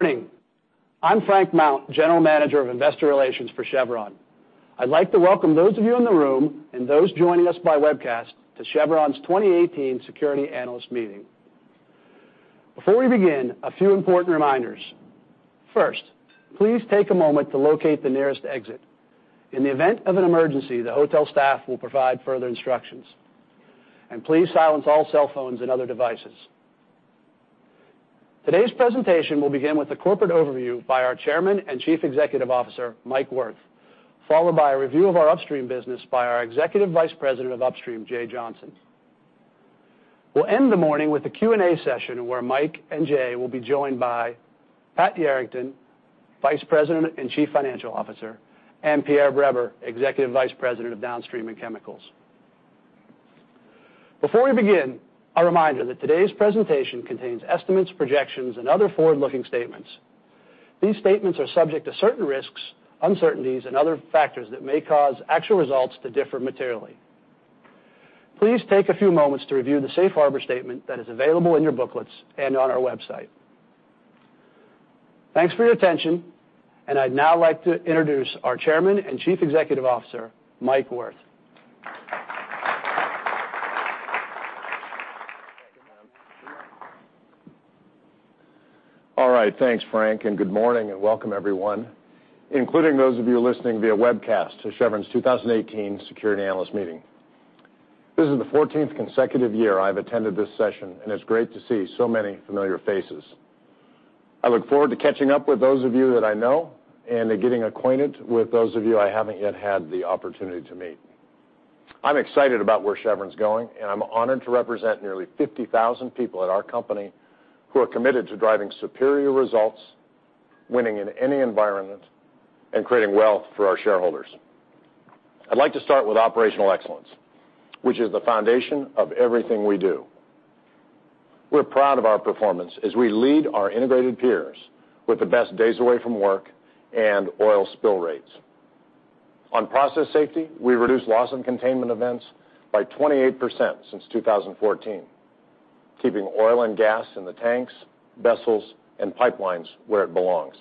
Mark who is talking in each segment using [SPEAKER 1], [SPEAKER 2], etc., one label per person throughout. [SPEAKER 1] Morning. I'm Frank Mount, General Manager of Investor Relations for Chevron. I'd like to welcome those of you in the room and those joining us by webcast to Chevron's 2018 Security Analyst Meeting. Before we begin, a few important reminders. First, please take a moment to locate the nearest exit. In the event of an emergency, the hotel staff will provide further instructions. Please silence all cell phones and other devices. Today's presentation will begin with a corporate overview by our Chairman and Chief Executive Officer, Mike Wirth, followed by a review of our Upstream business by our Executive Vice President of Upstream, Jay Johnson. We'll end the morning with a Q&A session where Mike and Jay will be joined by Pat Yarrington, Vice President and Chief Financial Officer, and Pierre Breber, Executive Vice President of Downstream and Chemicals. Before we begin, a reminder that today's presentation contains estimates, projections, and other forward-looking statements. These statements are subject to certain risks, uncertainties, and other factors that may cause actual results to differ materially. Please take a few moments to review the safe harbor statement that is available in your booklets and on our website. Thanks for your attention, and I'd now like to introduce our Chairman and Chief Executive Officer, Mike Wirth.
[SPEAKER 2] All right. Thanks, Frank, good morning, and welcome, everyone, including those of you listening via webcast to Chevron's 2018 Security Analyst Meeting. This is the 14th consecutive year I've attended this session, and it's great to see so many familiar faces. I look forward to catching up with those of you that I know and to getting acquainted with those of you I haven't yet had the opportunity to meet. I'm excited about where Chevron's going, and I'm honored to represent nearly 50,000 people at our company who are committed to driving superior results, winning in any environment, and creating wealth for our shareholders. I'd like to start with operational excellence, which is the foundation of everything we do. We're proud of our performance as we lead our integrated peers with the best days away from work and oil spill rates. On process safety, we reduced loss and containment events by 28% since 2014, keeping oil and gas in the tanks, vessels, and pipelines where it belongs.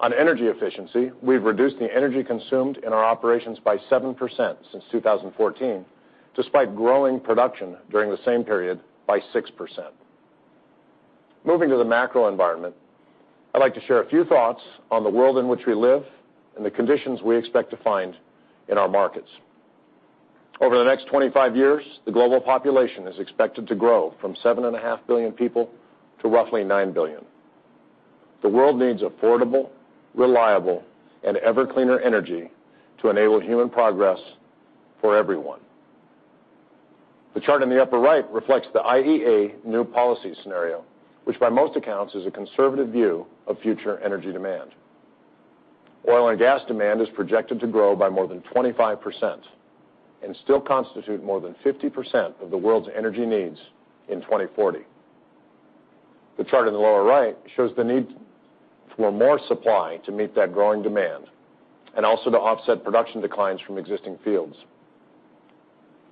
[SPEAKER 2] On energy efficiency, we've reduced the energy consumed in our operations by 7% since 2014, despite growing production during the same period by 6%. Moving to the macro environment, I'd like to share a few thoughts on the world in which we live and the conditions we expect to find in our markets. Over the next 25 years, the global population is expected to grow from seven and a half billion people to roughly nine billion. The world needs affordable, reliable, and ever-cleaner energy to enable human progress for everyone. The chart in the upper right reflects the IEA new policy scenario, which by most accounts is a conservative view of future energy demand. Oil and gas demand is projected to grow by more than 25% and still constitute more than 50% of the world's energy needs in 2040. The chart in the lower right shows the need for more supply to meet that growing demand and also to offset production declines from existing fields.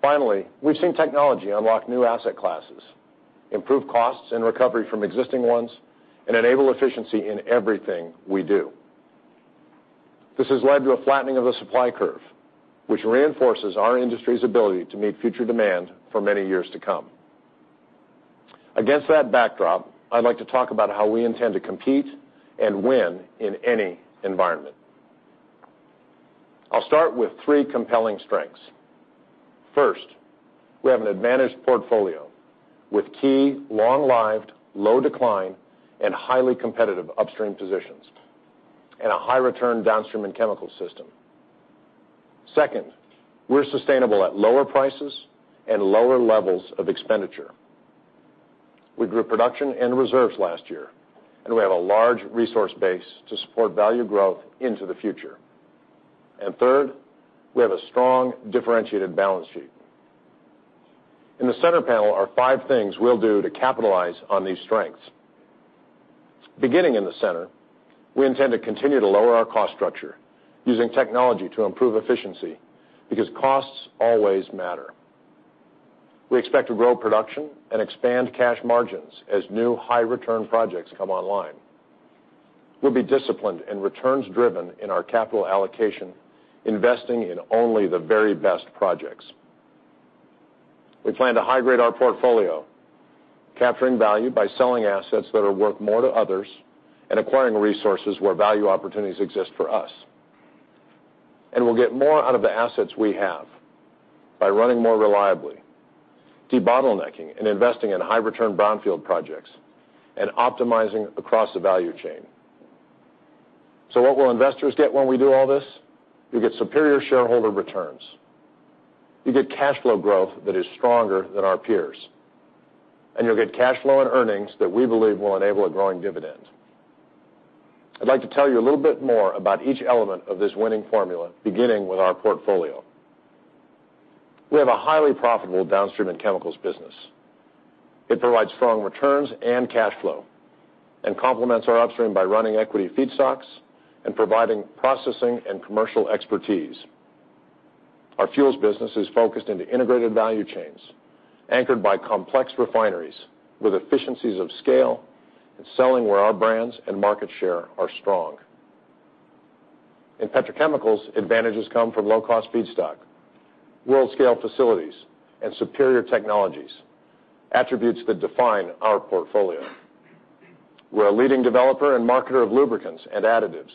[SPEAKER 2] Finally, we've seen technology unlock new asset classes, improve costs and recovery from existing ones, and enable efficiency in everything we do. This has led to a flattening of the supply curve, which reinforces our industry's ability to meet future demand for many years to come. Against that backdrop, I'd like to talk about how we intend to compete and win in any environment. I'll start with three compelling strengths. First, we have an advantaged portfolio with key long-lived, low decline, and highly competitive upstream positions and a high return downstream in chemical system. Second, we're sustainable at lower prices and lower levels of expenditure. We grew production and reserves last year, and we have a large resource base to support value growth into the future. Third, we have a strong differentiated balance sheet. In the center panel are five things we'll do to capitalize on these strengths. Beginning in the center, we intend to continue to lower our cost structure using technology to improve efficiency because costs always matter. We expect to grow production and expand cash margins as new high return projects come online. We'll be disciplined and returns driven in our capital allocation, investing in only the very best projects. We plan to high-grade our portfolio, capturing value by selling assets that are worth more to others and acquiring resources where value opportunities exist for us. We'll get more out of the assets we have by running more reliably, debottlenecking and investing in high return brownfield projects, and optimizing across the value chain. What will investors get when we do all this? You'll get superior shareholder returns. You'll get cash flow growth that is stronger than our peers. You'll get cash flow and earnings that we believe will enable a growing dividend. I'd like to tell you a little bit more about each element of this winning formula, beginning with our portfolio. We have a highly profitable downstream and chemicals business. It provides strong returns and cash flow and complements our upstream by running equity feedstocks and providing processing and commercial expertise. Our fuels business is focused into integrated value chains, anchored by complex refineries with efficiencies of scale and selling where our brands and market share are strong. In petrochemicals, advantages come from low-cost feedstock, world-scale facilities, and superior technologies, attributes that define our portfolio. We're a leading developer and marketer of lubricants and additives.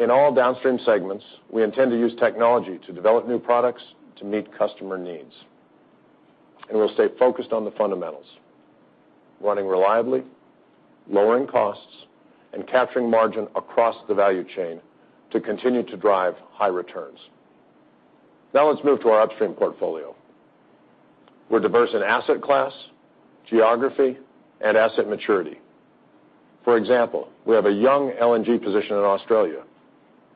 [SPEAKER 2] In all downstream segments, we intend to use technology to develop new products to meet customer needs. We'll stay focused on the fundamentals, running reliably, lowering costs, and capturing margin across the value chain to continue to drive high returns. Let's move to our upstream portfolio. We're diverse in asset class, geography, and asset maturity. For example, we have a young LNG position in Australia,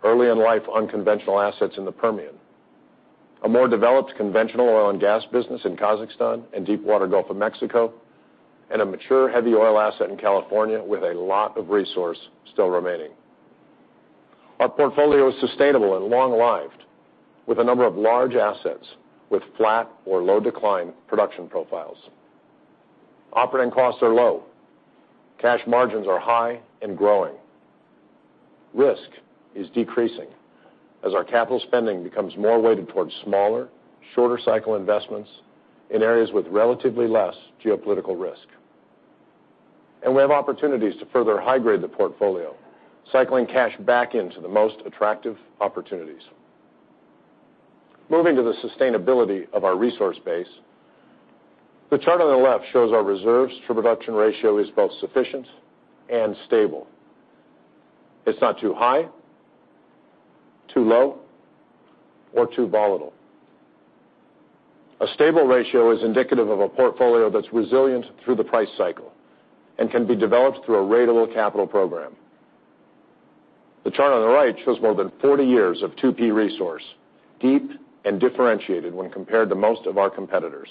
[SPEAKER 2] early-in-life unconventional assets in the Permian, a more developed conventional oil and gas business in Kazakhstan and Deepwater Gulf of Mexico, and a mature heavy oil asset in California with a lot of resource still remaining. Our portfolio is sustainable and long-lived with a number of large assets with flat or low-decline production profiles. Operating costs are low. Cash margins are high and growing. Risk is decreasing as our capital spending becomes more weighted towards smaller, shorter cycle investments in areas with relatively less geopolitical risk. We have opportunities to further high-grade the portfolio, cycling cash back into the most attractive opportunities. Moving to the sustainability of our resource base, the chart on the left shows our reserves to production ratio is both sufficient and stable. It's not too high, too low, or too volatile. A stable ratio is indicative of a portfolio that's resilient through the price cycle and can be developed through a ratable capital program. The chart on the right shows more than 40 years of 2P resource, deep and differentiated when compared to most of our competitors.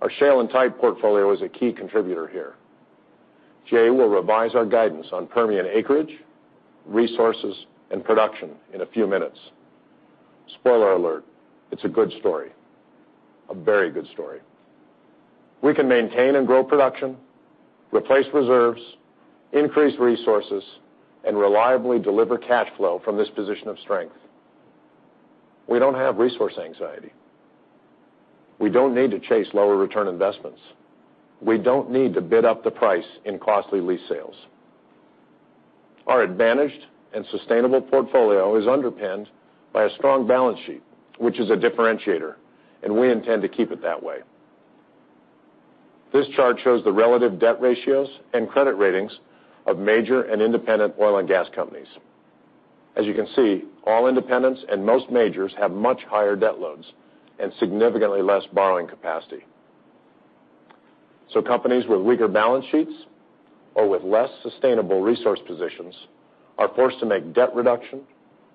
[SPEAKER 2] Our shale and tight portfolio is a key contributor here. Jay will revise our guidance on Permian acreage, resources, and production in a few minutes. Spoiler alert, it's a good story. A very good story. We can maintain and grow production, replace reserves, increase resources, and reliably deliver cash flow from this position of strength. We don't have resource anxiety. We don't need to chase lower return investments. We don't need to bid up the price in costly lease sales. Our advantaged and sustainable portfolio is underpinned by a strong balance sheet, which is a differentiator, and we intend to keep it that way. This chart shows the relative debt ratios and credit ratings of major and independent oil and gas companies. As you can see, all independents and most majors have much higher debt loads and significantly less borrowing capacity. Companies with weaker balance sheets or with less sustainable resource positions are forced to make debt reduction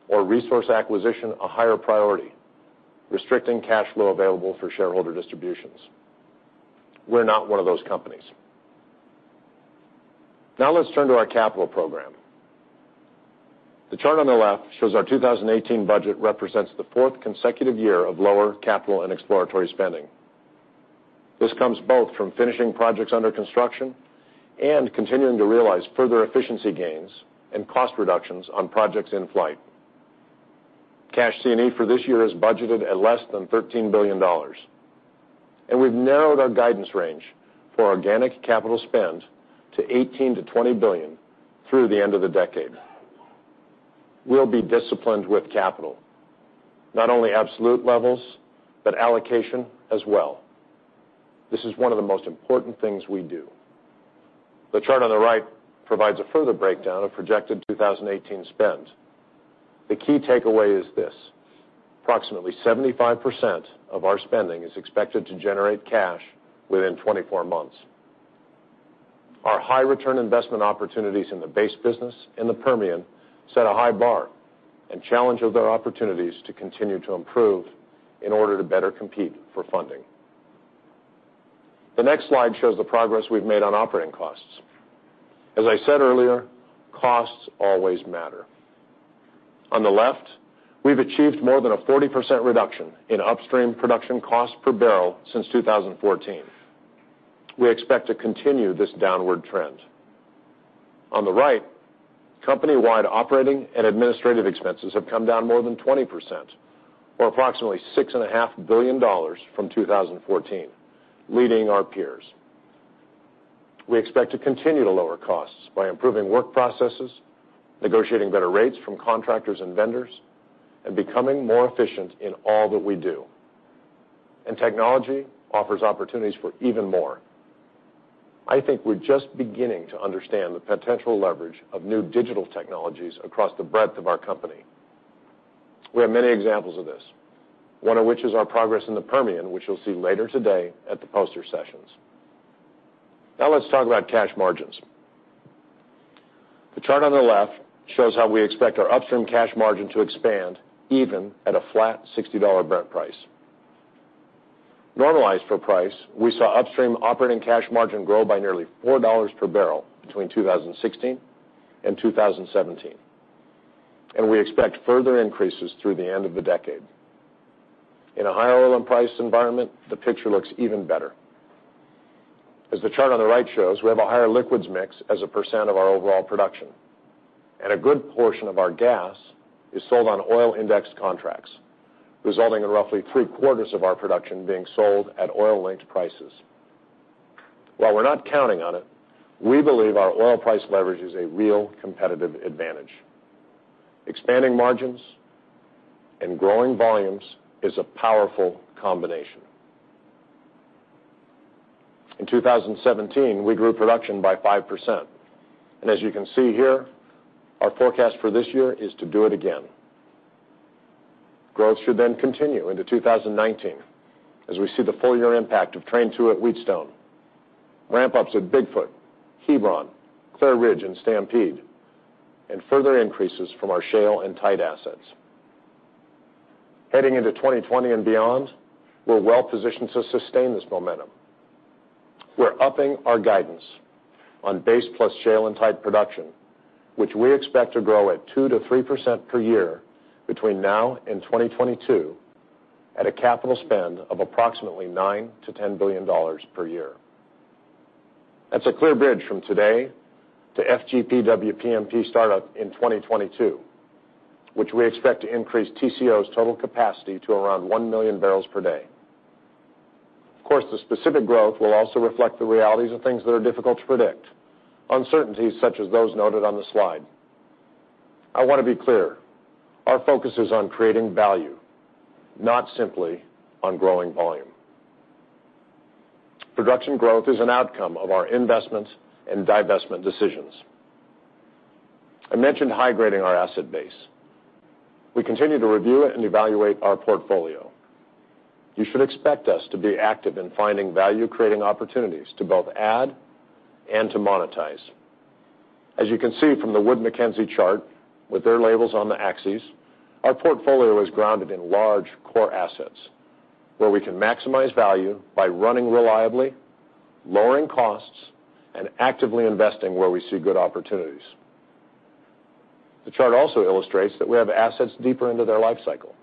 [SPEAKER 2] or resource acquisition a higher priority, restricting cash flow available for shareholder distributions. We're not one of those companies. Let's turn to our capital program. The chart on the left shows our 2018 budget represents the fourth consecutive year of lower capital and exploratory spending. This comes both from finishing projects under construction and continuing to realize further efficiency gains and cost reductions on projects in flight. Cash C&E for this year is budgeted at less than $13 billion. We've narrowed our guidance range for organic capital spend to $18 billion-$20 billion through the end of the decade. We'll be disciplined with capital, not only absolute levels, but allocation as well. This is one of the most important things we do. The chart on the right provides a further breakdown of projected 2018 spend. The key takeaway is this: approximately 75% of our spending is expected to generate cash within 24 months. Our high return investment opportunities in the base business in the Permian set a high bar and challenge other opportunities to continue to improve in order to better compete for funding. The next slide shows the progress we've made on operating costs. As I said earlier, costs always matter. On the left, we've achieved more than a 40% reduction in upstream production cost per barrel since 2014. We expect to continue this downward trend. On the right, company-wide operating and administrative expenses have come down more than 20%, or approximately $6.5 billion from 2014, leading our peers. We expect to continue to lower costs by improving work processes, negotiating better rates from contractors and vendors, and becoming more efficient in all that we do. Technology offers opportunities for even more. I think we're just beginning to understand the potential leverage of new digital technologies across the breadth of our company. We have many examples of this, one of which is our progress in the Permian, which you'll see later today at the poster sessions. Now let's talk about cash margins. The chart on the left shows how we expect our upstream cash margin to expand even at a flat $60 Brent price. Normalized for price, we saw upstream operating cash margin grow by nearly $4 per barrel between 2016 and 2017. We expect further increases through the end of the decade. In a higher oil and price environment, the picture looks even better. As the chart on the right shows, we have a higher liquids mix as a percent of our overall production. A good portion of our gas is sold on oil-indexed contracts, resulting in roughly three-quarters of our production being sold at oil-linked prices. While we're not counting on it, we believe our oil price leverage is a real competitive advantage. Expanding margins and growing volumes is a powerful combination. In 2017, we grew production by 5%. As you can see here, our forecast for this year is to do it again. Growth should then continue into 2019, as we see the full year impact of Train 2 at Wheatstone, ramp-ups at Big Foot, Hebron, Clair Ridge, and Stampede, and further increases from our shale and tight assets. Heading into 2020 and beyond, we're well positioned to sustain this momentum. We're upping our guidance on base plus shale and tight production, which we expect to grow at 2%-3% per year between now and 2022 at a capital spend of approximately $9 billion-$10 billion per year. That's a clear bridge from today to FGP-WPMP startup in 2022, which we expect to increase TCO's total capacity to around one million barrels per day. Of course, the specific growth will also reflect the realities of things that are difficult to predict, uncertainties such as those noted on the slide. I want to be clear, our focus is on creating value, not simply on growing volume. Production growth is an outcome of our investment and divestment decisions. I mentioned high-grading our asset base. We continue to review and evaluate our portfolio. You should expect us to be active in finding value-creating opportunities to both add and to monetize. As you can see from the Wood Mackenzie chart with their labels on the axes, our portfolio is grounded in large core assets where we can maximize value by running reliably, lowering costs, and actively investing where we see good opportunities. The chart also illustrates that we have assets deeper into their life cycle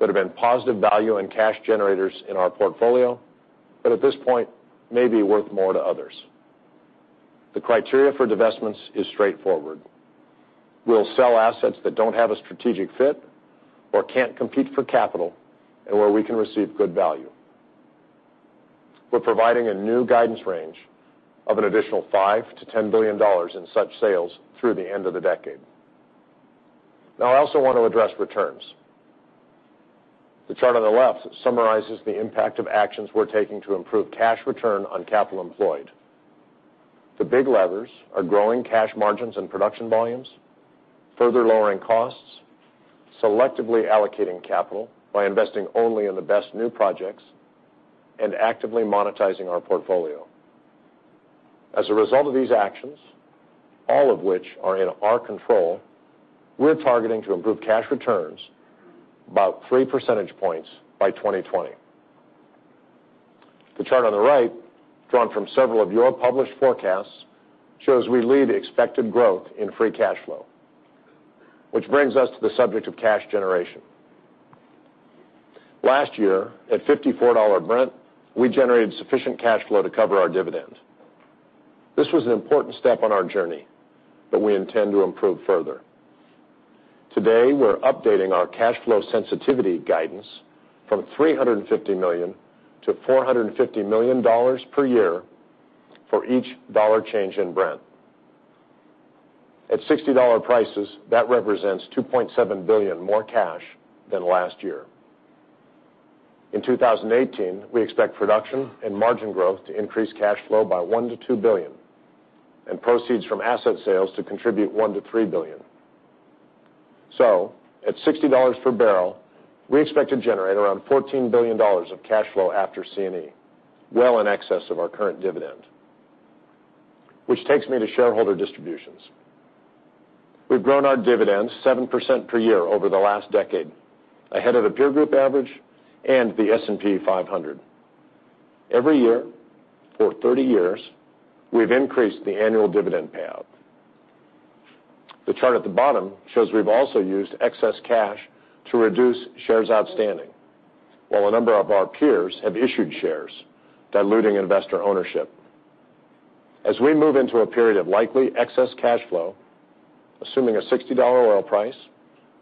[SPEAKER 2] that have been positive value and cash generators in our portfolio, but at this point, may be worth more to others. The criteria for divestments is straightforward. We'll sell assets that don't have a strategic fit or can't compete for capital, and where we can receive good value. We're providing a new guidance range of an additional $5 billion-$10 billion in such sales through the end of the decade. I also want to address returns. The chart on the left summarizes the impact of actions we're taking to improve cash return on capital employed. The big levers are growing cash margins and production volumes, further lowering costs, selectively allocating capital by investing only in the best new projects, and actively monetizing our portfolio. As a result of these actions, all of which are in our control, we're targeting to improve cash returns about three percentage points by 2020. The chart on the right, drawn from several of your published forecasts, shows we lead expected growth in free cash flow. That brings us to the subject of cash generation. Last year, at $54 Brent, we generated sufficient cash flow to cover our dividend. This was an important step on our journey, but we intend to improve further. Today, we're updating our cash flow sensitivity guidance from $350 million to $450 million per year for each dollar change in Brent. At $60 prices, that represents $2.7 billion more cash than last year. In 2018, we expect production and margin growth to increase cash flow by $1 billion-$2 billion, and proceeds from asset sales to contribute $1 billion-$3 billion. At $60 per barrel, we expect to generate around $14 billion of cash flow after C&E, well in excess of our current dividend. That takes me to shareholder distributions. We've grown our dividends 7% per year over the last decade, ahead of the peer group average and the S&P 500. Every year for 30 years, we've increased the annual dividend payout. The chart at the bottom shows we've also used excess cash to reduce shares outstanding, while a number of our peers have issued shares, diluting investor ownership. As we move into a period of likely excess cash flow, assuming a $60 oil price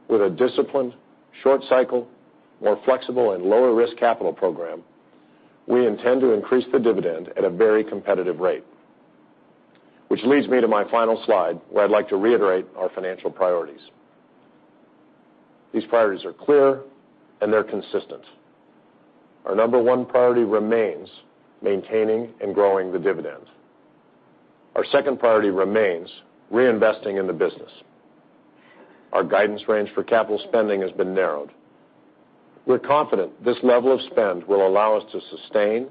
[SPEAKER 2] with a disciplined, short cycle, more flexible, and lower risk capital program, we intend to increase the dividend at a very competitive rate. That leads me to my final slide, where I'd like to reiterate our financial priorities. These priorities are clear and they're consistent. Our number one priority remains maintaining and growing the dividend. Our second priority remains reinvesting in the business. Our guidance range for capital spending has been narrowed. We're confident this level of spend will allow us to sustain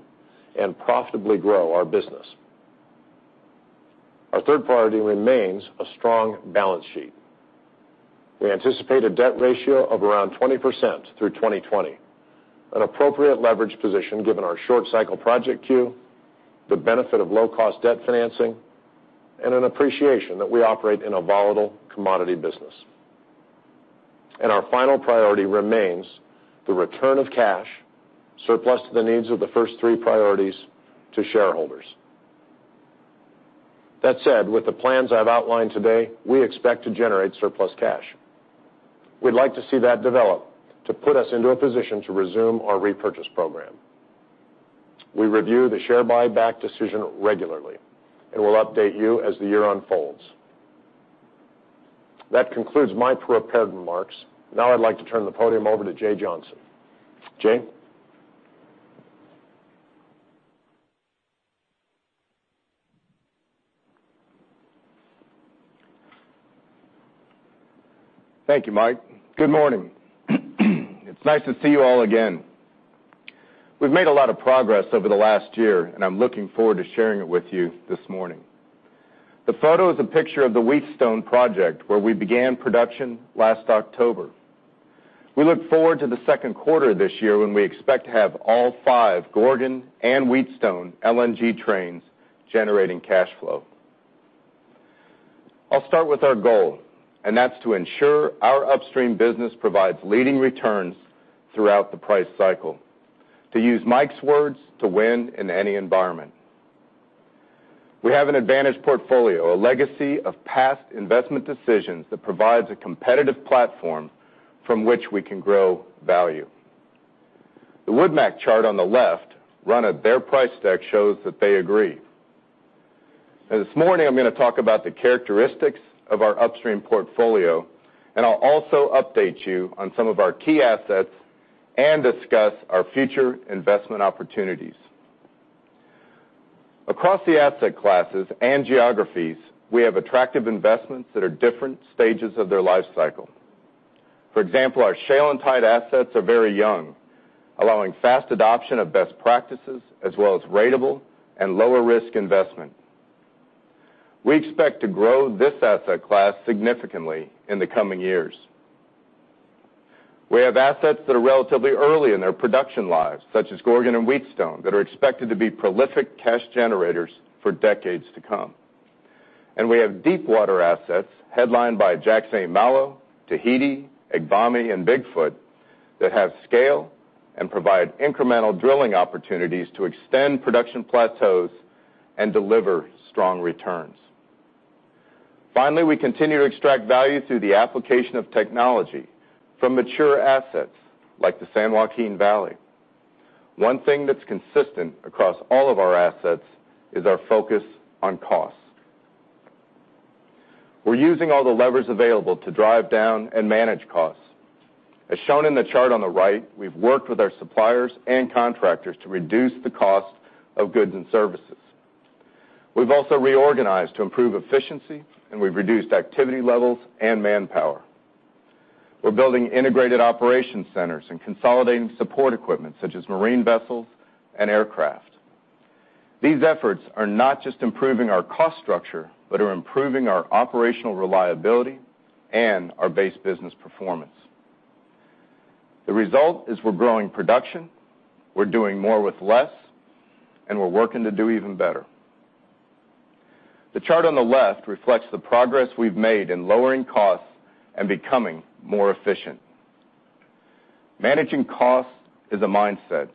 [SPEAKER 2] and profitably grow our business. Our third priority remains a strong balance sheet. We anticipate a debt ratio of around 20% through 2020, an appropriate leverage position given our short cycle project queue, the benefit of low-cost debt financing, and an appreciation that we operate in a volatile commodity business. Our final priority remains the return of cash surplus to the needs of the first three priorities to shareholders. That said, with the plans I've outlined today, we expect to generate surplus cash. We'd like to see that develop to put us into a position to resume our repurchase program. We review the share buyback decision regularly, and we'll update you as the year unfolds. That concludes my prepared remarks. I'd like to turn the podium over to Jay Johnson. Jay?
[SPEAKER 3] Thank you, Mike. Good morning. It's nice to see you all again. We've made a lot of progress over the last year, and I'm looking forward to sharing it with you this morning. The photo is a picture of the Wheatstone project, where we began production last October. We look forward to the second quarter this year when we expect to have all 5 Gorgon and Wheatstone LNG trains generating cash flow. I'll start with our goal, that's to ensure our upstream business provides leading returns throughout the price cycle. To use Mike's words, to win in any environment. We have an advantage portfolio, a legacy of past investment decisions that provides a competitive platform from which we can grow value. The WoodMac chart on the left run at their price deck shows that they agree. This morning, I'm going to talk about the characteristics of our upstream portfolio, I'll also update you on some of our key assets and discuss our future investment opportunities. Across the asset classes and geographies, we have attractive investments that are different stages of their life cycle. For example, our shale and tight assets are very young, allowing fast adoption of best practices as well as ratable and lower risk investment. We expect to grow this asset class significantly in the coming years. We have assets that are relatively early in their production lives, such as Gorgon and Wheatstone, that are expected to be prolific cash generators for decades to come. We have Deepwater assets headlined by Jack/St. Malo, Tigris, Agbami, and Big Foot that have scale and provide incremental drilling opportunities to extend production plateaus and deliver strong returns. Finally, we continue to extract value through the application of technology from mature assets like the San Joaquin Valley. One thing that's consistent across all of our assets is our focus on cost. We're using all the levers available to drive down and manage costs. As shown in the chart on the right, we've worked with our suppliers and contractors to reduce the cost of goods and services. We've also reorganized to improve efficiency, we've reduced activity levels and manpower. We're building integrated operation centers and consolidating support equipment such as marine vessels and aircraft. These efforts are not just improving our cost structure, but are improving our operational reliability and our base business performance. The result is we're growing production, we're doing more with less, we're working to do even better. The chart on the left reflects the progress we've made in lowering costs and becoming more efficient. Managing costs is a mindset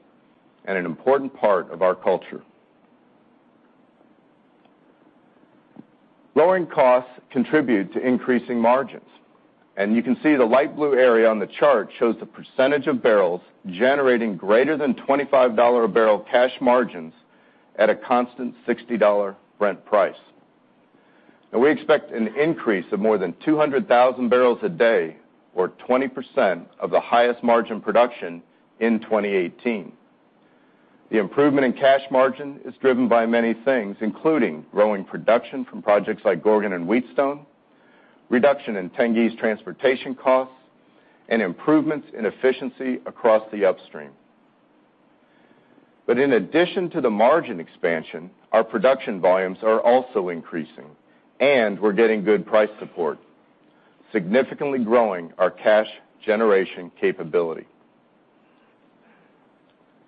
[SPEAKER 3] and an important part of our culture. Lowering costs contribute to increasing margins, and you can see the light blue area on the chart shows the percentage of barrels generating greater than $25 a barrel cash margins at a constant $60 Brent price. We expect an increase of more than 200,000 barrels a day or 20% of the highest margin production in 2018. The improvement in cash margin is driven by many things, including growing production from projects like Gorgon and Wheatstone, reduction in Tengiz transportation costs, and improvements in efficiency across the upstream. In addition to the margin expansion, our production volumes are also increasing, and we're getting good price support, significantly growing our cash generation capability.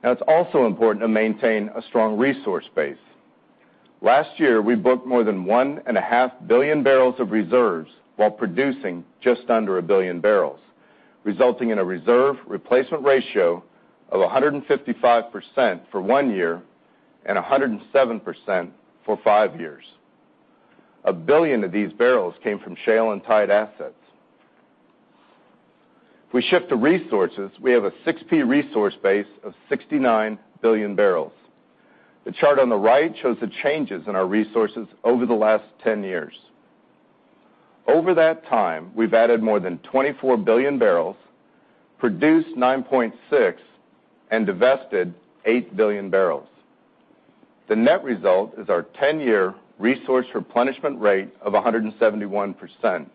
[SPEAKER 3] It's also important to maintain a strong resource base. Last year, we booked more than one and a half billion barrels of reserves while producing just under a billion barrels, resulting in a reserve replacement ratio of 155% for one year and 107% for five years. A billion of these barrels came from shale and tight assets. If we shift to resources, we have a 6P resource base of 69 billion barrels. The chart on the right shows the changes in our resources over the last 10 years. Over that time, we've added more than 24 billion barrels, produced 9.6 and divested 8 billion barrels. The net result is our 10-year resource replenishment rate of 171%,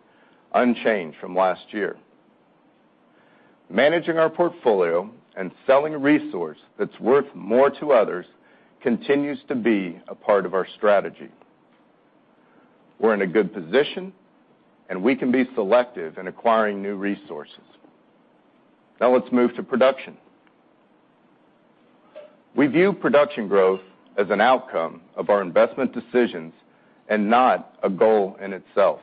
[SPEAKER 3] unchanged from last year. Managing our portfolio and selling resource that's worth more to others continues to be a part of our strategy. We're in a good position, and we can be selective in acquiring new resources. Let's move to production. We view production growth as an outcome of our investment decisions, not a goal in itself.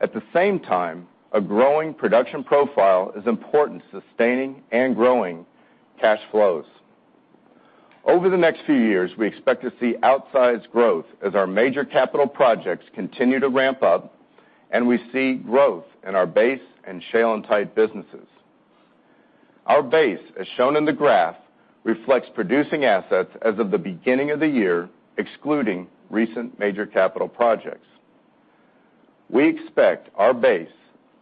[SPEAKER 3] At the same time, a growing production profile is important to sustaining and growing cash flows. Over the next few years, we expect to see outsized growth as our major capital projects continue to ramp up, we see growth in our base and shale and tight businesses. Our base, as shown in the graph, reflects producing assets as of the beginning of the year, excluding recent major capital projects. We expect our base,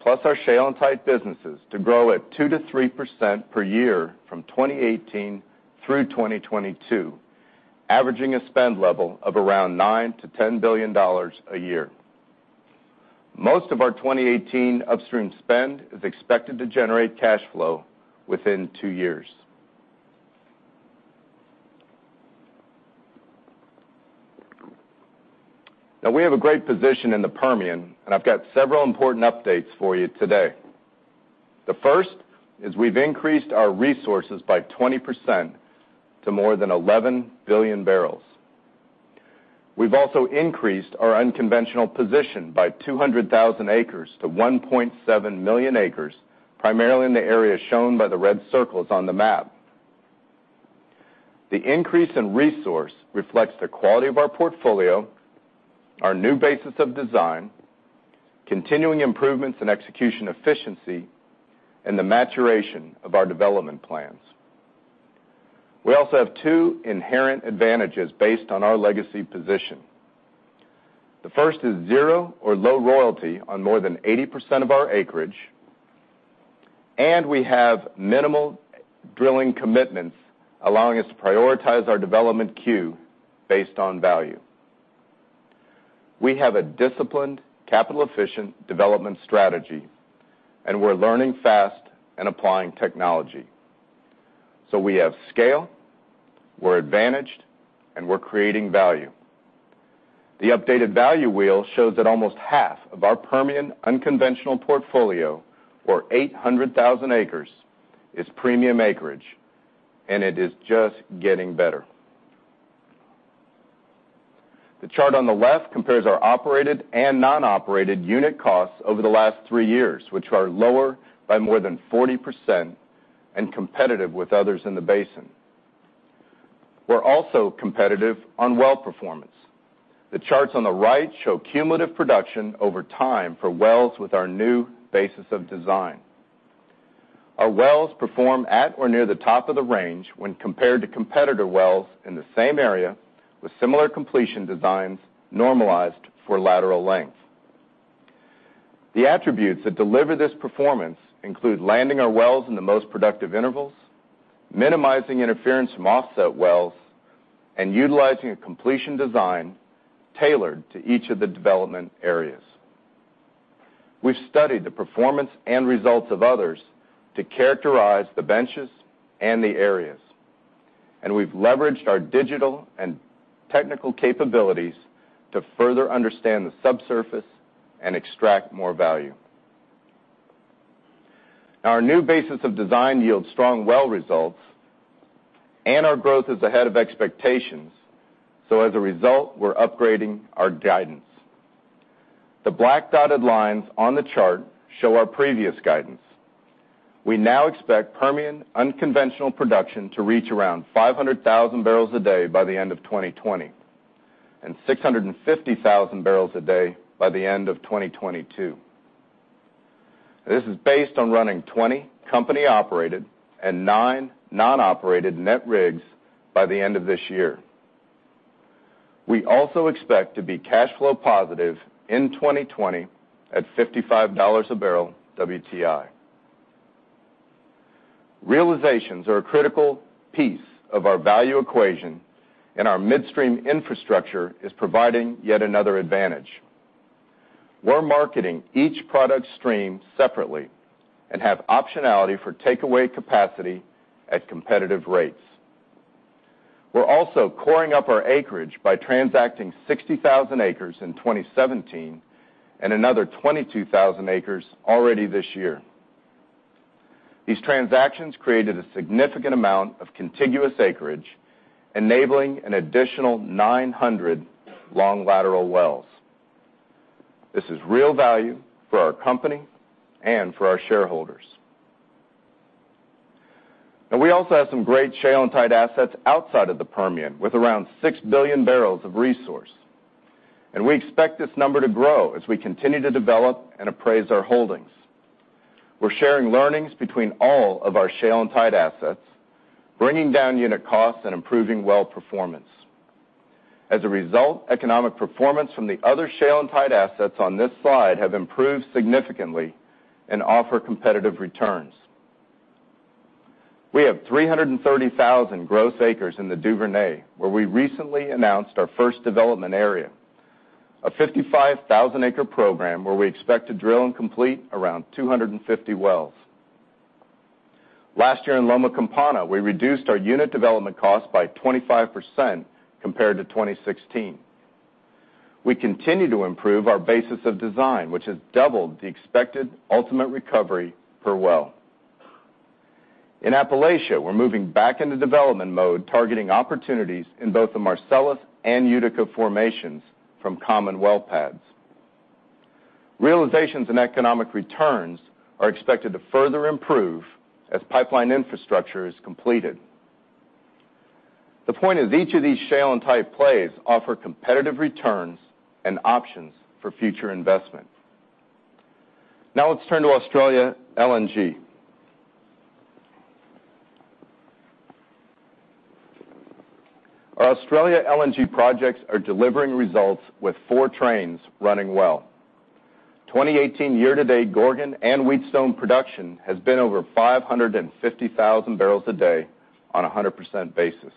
[SPEAKER 3] plus our shale and tight businesses, to grow at 2%-3% per year from 2018 through 2022, averaging a spend level of around $9 billion-$10 billion a year. Most of our 2018 upstream spend is expected to generate cash flow within two years. We have a great position in the Permian, I've got several important updates for you today. The first is we've increased our resources by 20% to more than 11 billion barrels. We've also increased our unconventional position by 200,000 acres to 1.7 million acres, primarily in the areas shown by the red circles on the map. The increase in resource reflects the quality of our portfolio, our new basis of design, continuing improvements in execution efficiency, and the maturation of our development plans. We also have two inherent advantages based on our legacy position. The first is zero or low royalty on more than 80% of our acreage, we have minimal drilling commitments, allowing us to prioritize our development queue based on value. We have a disciplined, capital-efficient development strategy. We're learning fast and applying technology. We have scale, we're advantaged, and we're creating value. The updated value wheel shows that almost half of our Permian unconventional portfolio, or 800,000 acres, is premium acreage, and it is just getting better. The chart on the left compares our operated and non-operated unit costs over the last three years, which are lower by more than 40% and competitive with others in the basin. We're also competitive on well performance. The charts on the right show cumulative production over time for wells with our new basis of design. Our wells perform at or near the top of the range when compared to competitor wells in the same area with similar completion designs normalized for lateral length. The attributes that deliver this performance include landing our wells in the most productive intervals, minimizing interference from offset wells, and utilizing a completion design tailored to each of the development areas. We've studied the performance and results of others to characterize the benches and the areas. We've leveraged our digital and technical capabilities to further understand the subsurface and extract more value. Our new basis of design yields strong well results. Our growth is ahead of expectations. As a result, we're upgrading our guidance. The black dotted lines on the chart show our previous guidance. We now expect Permian unconventional production to reach around 500,000 barrels a day by the end of 2020, and 650,000 barrels a day by the end of 2022. This is based on running 20 company-operated and nine non-operated net rigs by the end of this year. We also expect to be cash flow positive in 2020 at $55 a barrel WTI. Realizations are a critical piece of our value equation. Our midstream infrastructure is providing yet another advantage. We're marketing each product stream separately and have optionality for takeaway capacity at competitive rates. We're also coring up our acreage by transacting 60,000 acres in 2017 and another 22,000 acres already this year. These transactions created a significant amount of contiguous acreage, enabling an additional 900 long lateral wells. This is real value for our company and for our shareholders. We also have some great shale and tight assets outside of the Permian, with around 6 billion barrels of resource. We expect this number to grow as we continue to develop and appraise our holdings. We're sharing learnings between all of our shale and tight assets, bringing down unit costs and improving well performance. As a result, economic performance from the other shale and tight assets on this slide have improved significantly and offer competitive returns. We have 330,000 gross acres in the Duvernay, where we recently announced our first development area, a 55,000-acre program where we expect to drill and complete around 250 wells. Last year in Loma Campana, we reduced our unit development cost by 25% compared to 2016. We continue to improve our basis of design, which has doubled the expected ultimate recovery per well. In Appalachia, we're moving back into development mode, targeting opportunities in both the Marcellus and Utica formations from common well pads. Realizations in economic returns are expected to further improve as pipeline infrastructure is completed. The point is, each of these shale and tight plays offer competitive returns and options for future investment. Let's turn to Australia LNG. Our Australia LNG projects are delivering results with four trains running well. 2018 year-to-date Gorgon and Wheatstone production has been over 550,000 barrels a day on 100% basis.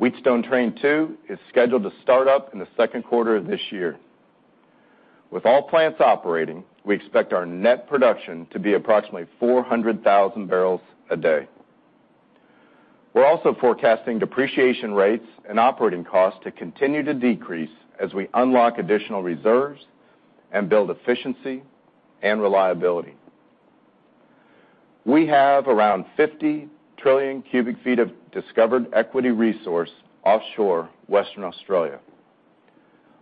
[SPEAKER 3] Wheatstone Train 2 is scheduled to start up in the second quarter of this year. With all plants operating, we expect our net production to be approximately 400,000 barrels a day. We are also forecasting depreciation rates and operating costs to continue to decrease as we unlock additional reserves and build efficiency and reliability. We have around 50 trillion cubic feet of discovered equity resource offshore Western Australia.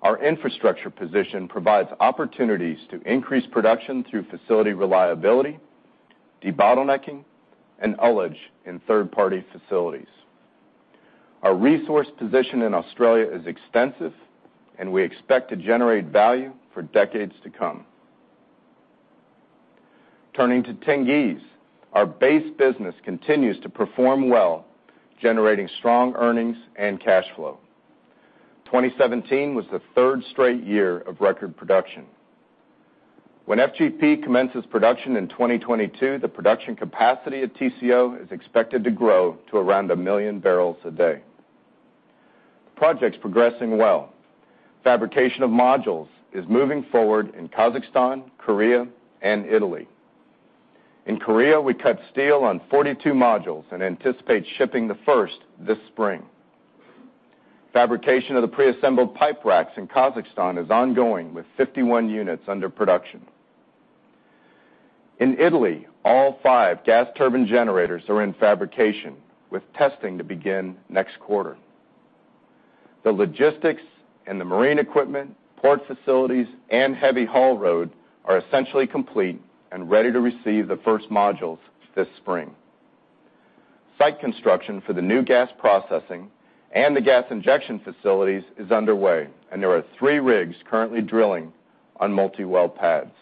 [SPEAKER 3] Our infrastructure position provides opportunities to increase production through facility reliability, debottlenecking, and ullage in third-party facilities. Our resource position in Australia is extensive, and we expect to generate value for decades to come. Turning to Tengiz. Our base business continues to perform well, generating strong earnings and cash flow. 2017 was the third straight year of record production. When FGP commences production in 2022, the production capacity at TCO is expected to grow to around a million barrels a day. The project is progressing well. Fabrication of modules is moving forward in Kazakhstan, Korea, and Italy. In Korea, we cut steel on 42 modules and anticipate shipping the first this spring. Fabrication of the preassembled pipe racks in Kazakhstan is ongoing, with 51 units under production. In Italy, all five gas turbine generators are in fabrication, with testing to begin next quarter. The logistics and the marine equipment, port facilities, and heavy haul road are essentially complete and ready to receive the first modules this spring. Site construction for the new gas processing and the gas injection facilities is underway, and there are three rigs currently drilling on multi-well pads.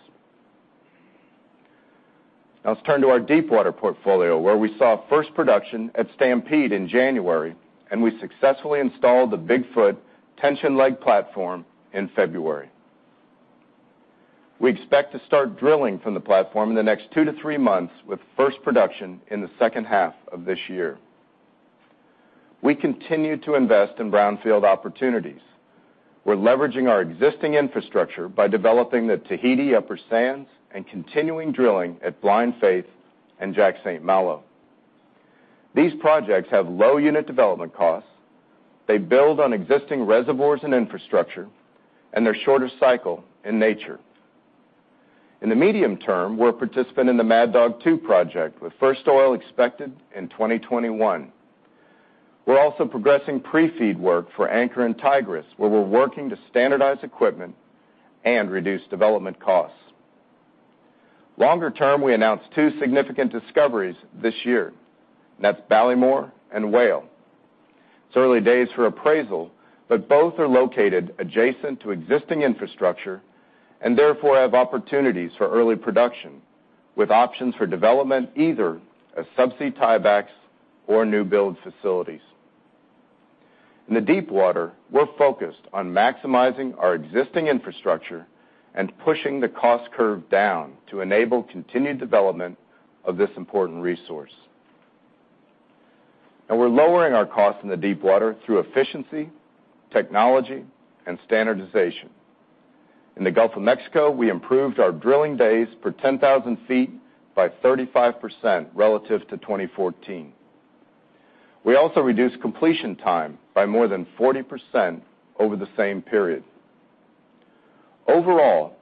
[SPEAKER 3] Let's turn to our Deepwater portfolio, where we saw first production at Stampede in January, and we successfully installed the Big Foot tension leg platform in February. We expect to start drilling from the platform in the next two to three months, with first production in the second half of this year. We continue to invest in brownfield opportunities. We are leveraging our existing infrastructure by developing the Tahiti Upper Sands and continuing drilling at Blind Faith and Jack/St. Malo. These projects have low unit development costs, they build on existing reservoirs and infrastructure, and they are shorter cycle in nature. In the medium term, we are a participant in the Mad Dog 2 project, with first oil expected in 2021. We are also progressing pre-FEED work for Anchor and Tigris, where we are working to standardize equipment and reduce development costs. Longer term, we announced two significant discoveries this year. That is Ballymore and Whale. It is early days for appraisal, both are located adjacent to existing infrastructure and therefore have opportunities for early production, with options for development either as subsea tiebacks or new build facilities. In the Deepwater, we are focused on maximizing our existing infrastructure and pushing the cost curve down to enable continued development of this important resource. We are lowering our cost in the Deepwater through efficiency, technology, and standardization. In the Gulf of Mexico, we improved our drilling days per 10,000 feet by 35% relative to 2014. We also reduced completion time by more than 40% over the same period. Overall,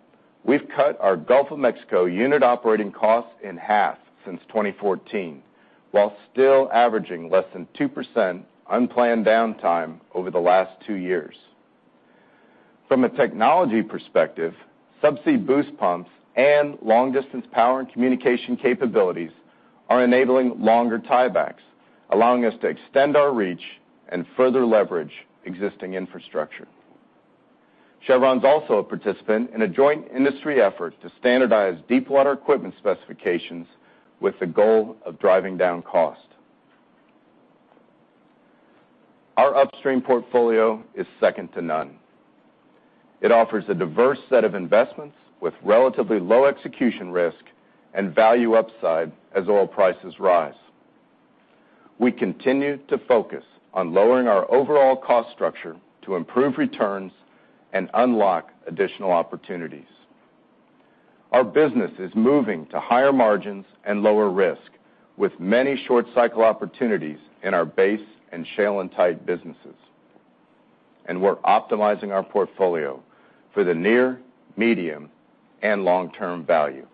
[SPEAKER 3] we have cut our Gulf of Mexico unit operating costs in half since 2014, while still averaging less than 2% unplanned downtime over the last two years. From a technology perspective, subsea boost pumps and long distance power and communication capabilities are enabling longer tiebacks, allowing us to extend our reach and further leverage existing infrastructure. Chevron's also a participant in a joint industry effort to standardize Deepwater equipment specifications with the goal of driving down cost. Our upstream portfolio is second to none. It offers a diverse set of investments with relatively low execution risk and value upside as oil prices rise. We continue to focus on lowering our overall cost structure to improve returns and unlock additional opportunities. Our business is moving to higher margins and lower risk, with many short-cycle opportunities in our base and shale and tight businesses. We're optimizing our portfolio for the near, medium, and long-term value.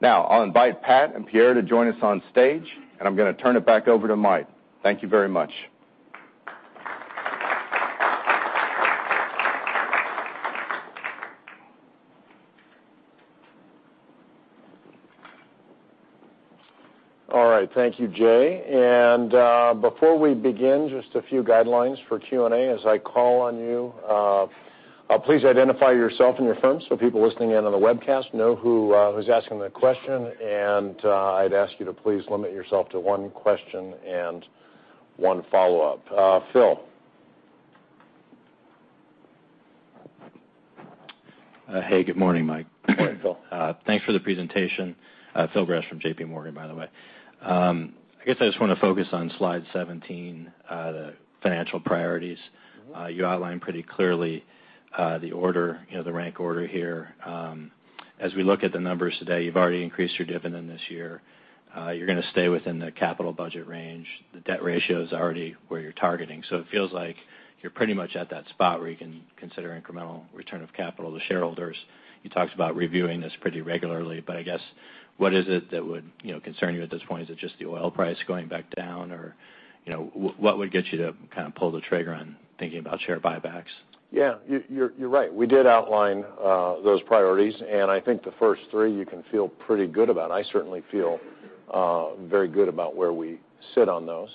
[SPEAKER 3] I'll invite Pat and Pierre to join us on stage, and I'm going to turn it back over to Mike. Thank you very much.
[SPEAKER 2] Thank you, Jay. Before we begin, just a few guidelines for Q&A. As I call on you, please identify yourself and your firm so people listening in on the webcast know who's asking the question, and I'd ask you to please limit yourself to one question and one follow-up. Phil.
[SPEAKER 4] Good morning, Mike.
[SPEAKER 2] Good morning, Phil.
[SPEAKER 4] Thanks for the presentation. Phil Gresh from JP Morgan, by the way. I guess I just want to focus on slide 17, the financial priorities. You outlined pretty clearly the rank order here. As we look at the numbers today, you've already increased your dividend this year. You're going to stay within the capital budget range. The debt ratio is already where you're targeting. It feels like you're pretty much at that spot where you can consider incremental return of capital to shareholders. You talked about reviewing this pretty regularly, I guess, what is it that would concern you at this point? Is it just the oil price going back down, or what would get you to pull the trigger on thinking about share buybacks?
[SPEAKER 2] Yeah, you're right. We did outline those priorities, I think the first three you can feel pretty good about. I certainly feel very good about where we sit on those.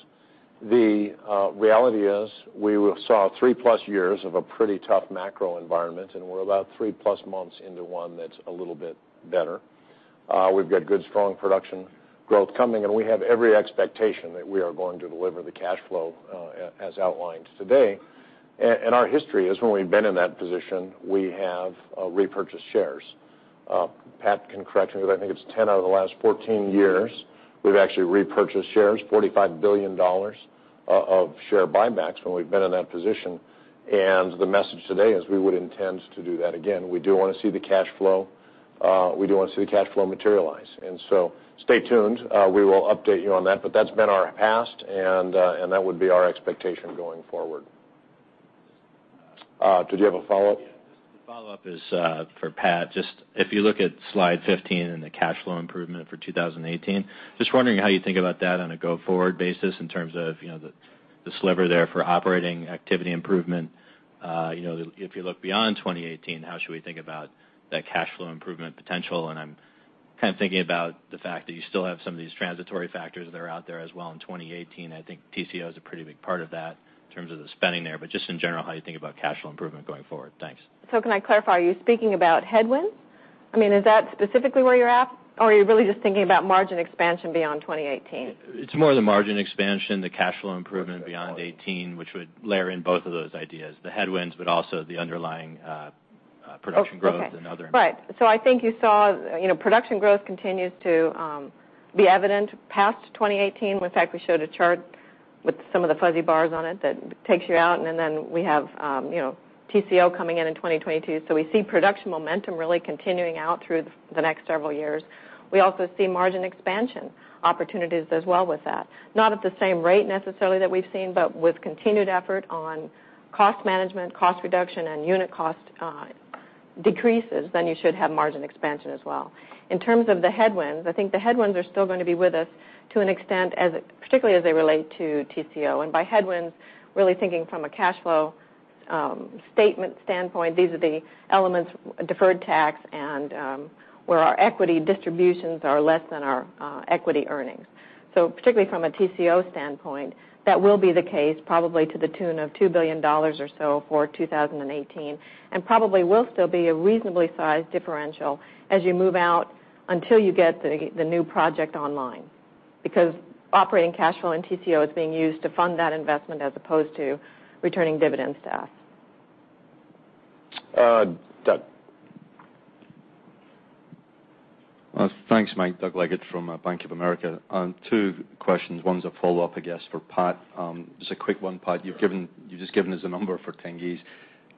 [SPEAKER 2] The reality is, we saw three-plus years of a pretty tough macro environment, we're about three-plus months into one that's a little bit better. We've got good, strong production growth coming, we have every expectation that we are going to deliver the cash flow as outlined today. Our history is when we've been in that position, we have repurchased shares. Pat can correct me, but I think it's 10 out of the last 14 years, we've actually repurchased shares, $45 billion of share buybacks when we've been in that position. The message today is we would intend to do that again. We do want to see the cash flow materialize. Stay tuned. We will update you on that, but that's been our past, and that would be our expectation going forward. Did you have a follow-up?
[SPEAKER 4] The follow-up is for Pat. Just if you look at slide 15 and the cash flow improvement for 2018, just wondering how you think about that on a go-forward basis in terms of the sliver there for operating activity improvement. If you look beyond 2018, how should we think about that cash flow improvement potential? I'm thinking about the fact that you still have some of these transitory factors that are out there as well in 2018. I think TCO is a pretty big part of that in terms of the spending there. Just in general, how you think about cash flow improvement going forward. Thanks.
[SPEAKER 5] Can I clarify, are you speaking about headwinds? Is that specifically where you're at? Or are you really just thinking about margin expansion beyond 2018?
[SPEAKER 4] It's more the margin expansion, the cash flow improvement beyond 2018, which would layer in both of those ideas, the headwinds, but also the underlying production growth.
[SPEAKER 5] Oh, okay.
[SPEAKER 4] Other improvements.
[SPEAKER 5] I think you saw production growth continues to be evident past 2018. In fact, we showed a chart with some of the fuzzy bars on it that takes you out. We have TCO coming in in 2022. We see production momentum really continuing out through the next several years. We also see margin expansion opportunities as well with that. Not at the same rate necessarily that we've seen, but with continued effort on cost management, cost reduction, and unit cost decreases, then you should have margin expansion as well. In terms of the headwinds, I think the headwinds are still going to be with us to an extent, particularly as they relate to TCO. By headwinds, really thinking from a cash flow statement standpoint, these are the elements, deferred tax, and where our equity distributions are less than our equity earnings. Particularly from a TCO standpoint, that will be the case probably to the tune of $2 billion or so for 2018. Probably will still be a reasonably sized differential as you move out until you get the new project online. Because operating cash flow in TCO is being used to fund that investment as opposed to returning dividends to us.
[SPEAKER 2] Doug.
[SPEAKER 6] Thanks, Mike. Doug Leggate from Bank of America. Two questions. One's a follow-up, I guess, for Pat. Just a quick one, Pat.
[SPEAKER 5] Sure.
[SPEAKER 6] You've just given us a number for Tengiz.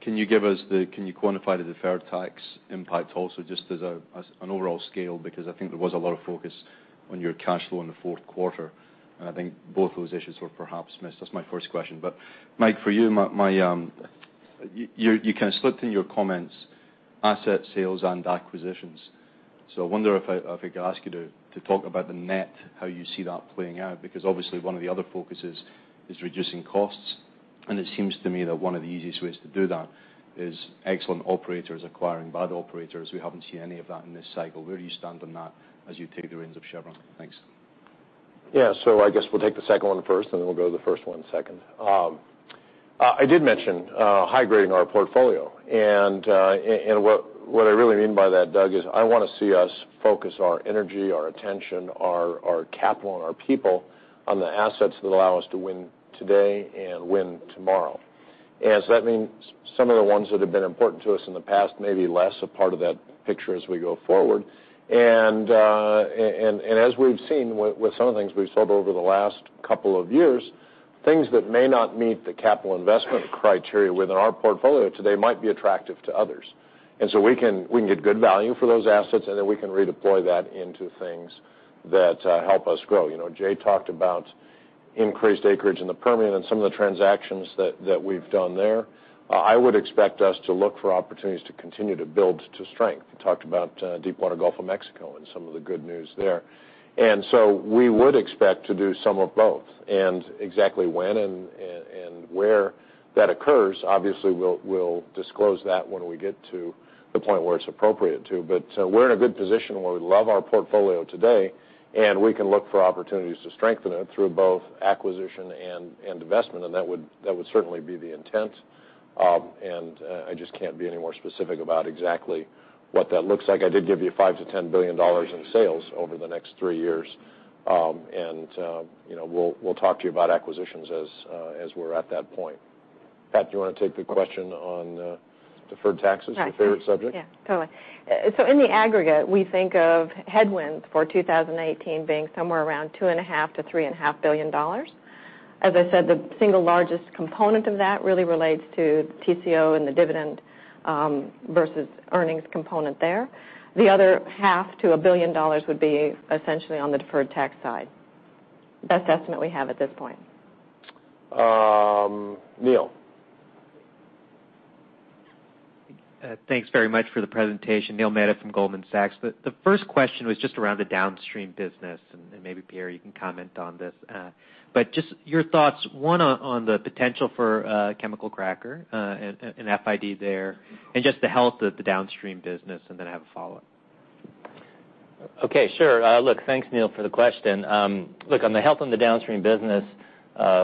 [SPEAKER 6] Can you quantify the deferred tax impact also just as an overall scale? Because I think there was a lot of focus on your cash flow in the fourth quarter, and I think both those issues were perhaps missed. That's my first question. Mike, for you kind of slipped in your comments asset sales and acquisitions. I wonder if I could ask you to talk about the net, how you see that playing out, because obviously one of the other focuses is reducing costs, and it seems to me that one of the easiest ways to do that is excellent operators acquiring bad operators. We haven't seen any of that in this cycle. Where do you stand on that as you take the reins of Chevron? Thanks.
[SPEAKER 2] Yeah. I guess we'll take the second one first, then we'll go to the first one second. I did mention high-grading our portfolio. What I really mean by that, Doug, is I want to see us focus our energy, our attention, our capital, and our people on the assets that allow us to win today and win tomorrow. That means some of the ones that have been important to us in the past may be less a part of that picture as we go forward. As we've seen with some of the things we've sold over the last couple of years, things that may not meet the capital investment criteria within our portfolio today might be attractive to others. We can get good value for those assets, then we can redeploy that into things that help us grow. Jay talked about increased acreage in the Permian and some of the transactions that we've done there. I would expect us to look for opportunities to continue to build to strength. We talked about Deepwater Gulf of Mexico and some of the good news there. We would expect to do some of both. Exactly when and where that occurs, obviously, we'll disclose that when we get to the point where it's appropriate to. We're in a good position where we love our portfolio today, and we can look for opportunities to strengthen it through both acquisition and investment. That would certainly be the intent. I just can't be any more specific about exactly what that looks like. I did give you $5 billion-$10 billion in sales over the next three years. We'll talk to you about acquisitions as we're at that point. Pat, do you want to take the question on deferred taxes?
[SPEAKER 5] Right.
[SPEAKER 2] Your favorite subject.
[SPEAKER 5] Yeah. Totally. In the aggregate, we think of headwinds for 2018 being somewhere around $2.5 billion-$3.5 billion. As I said, the single largest component of that really relates to TCO and the dividend versus earnings component there. The other half to a billion dollars would be essentially on the deferred tax side. Best estimate we have at this point.
[SPEAKER 2] Neil.
[SPEAKER 7] Thanks very much for the presentation. Neil Mehta from Goldman Sachs. The first question was just around the downstream business, maybe, Pierre, you can comment on this. Just your thoughts, one, on the potential for chemical cracker and FID there, and just the health of the downstream business. Then I have a follow-up.
[SPEAKER 8] Okay. Sure. Thanks, Neil, for the question. On the health of the downstream business,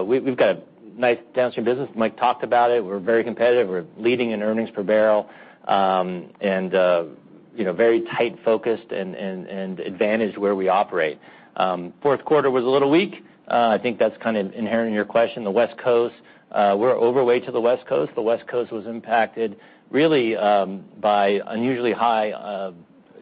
[SPEAKER 8] we've got a nice downstream business. Mike talked about it. We're very competitive. We're leading in earnings per barrel. Very tight focused and advantaged where we operate. Fourth quarter was a little weak. I think that's kind of inherent in your question. The West Coast, we're overweight to the West Coast. The West Coast was impacted really by unusually high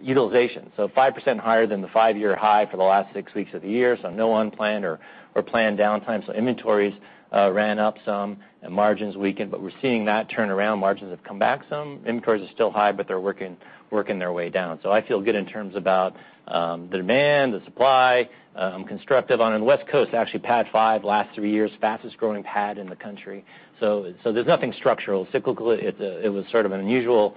[SPEAKER 8] utilization. 5% higher than the five-year high for the last six weeks of the year, no unplanned or planned downtime. Inventories ran up some and margins weakened. We're seeing that turn around. Margins have come back some. Inventories are still high, but they're working their way down. I feel good in terms about the demand, the supply. I'm constructive on, in the West Coast, actually, PADD 5 last three years, fastest-growing PADD in the country. There's nothing structural. Cyclically, it was sort of an unusual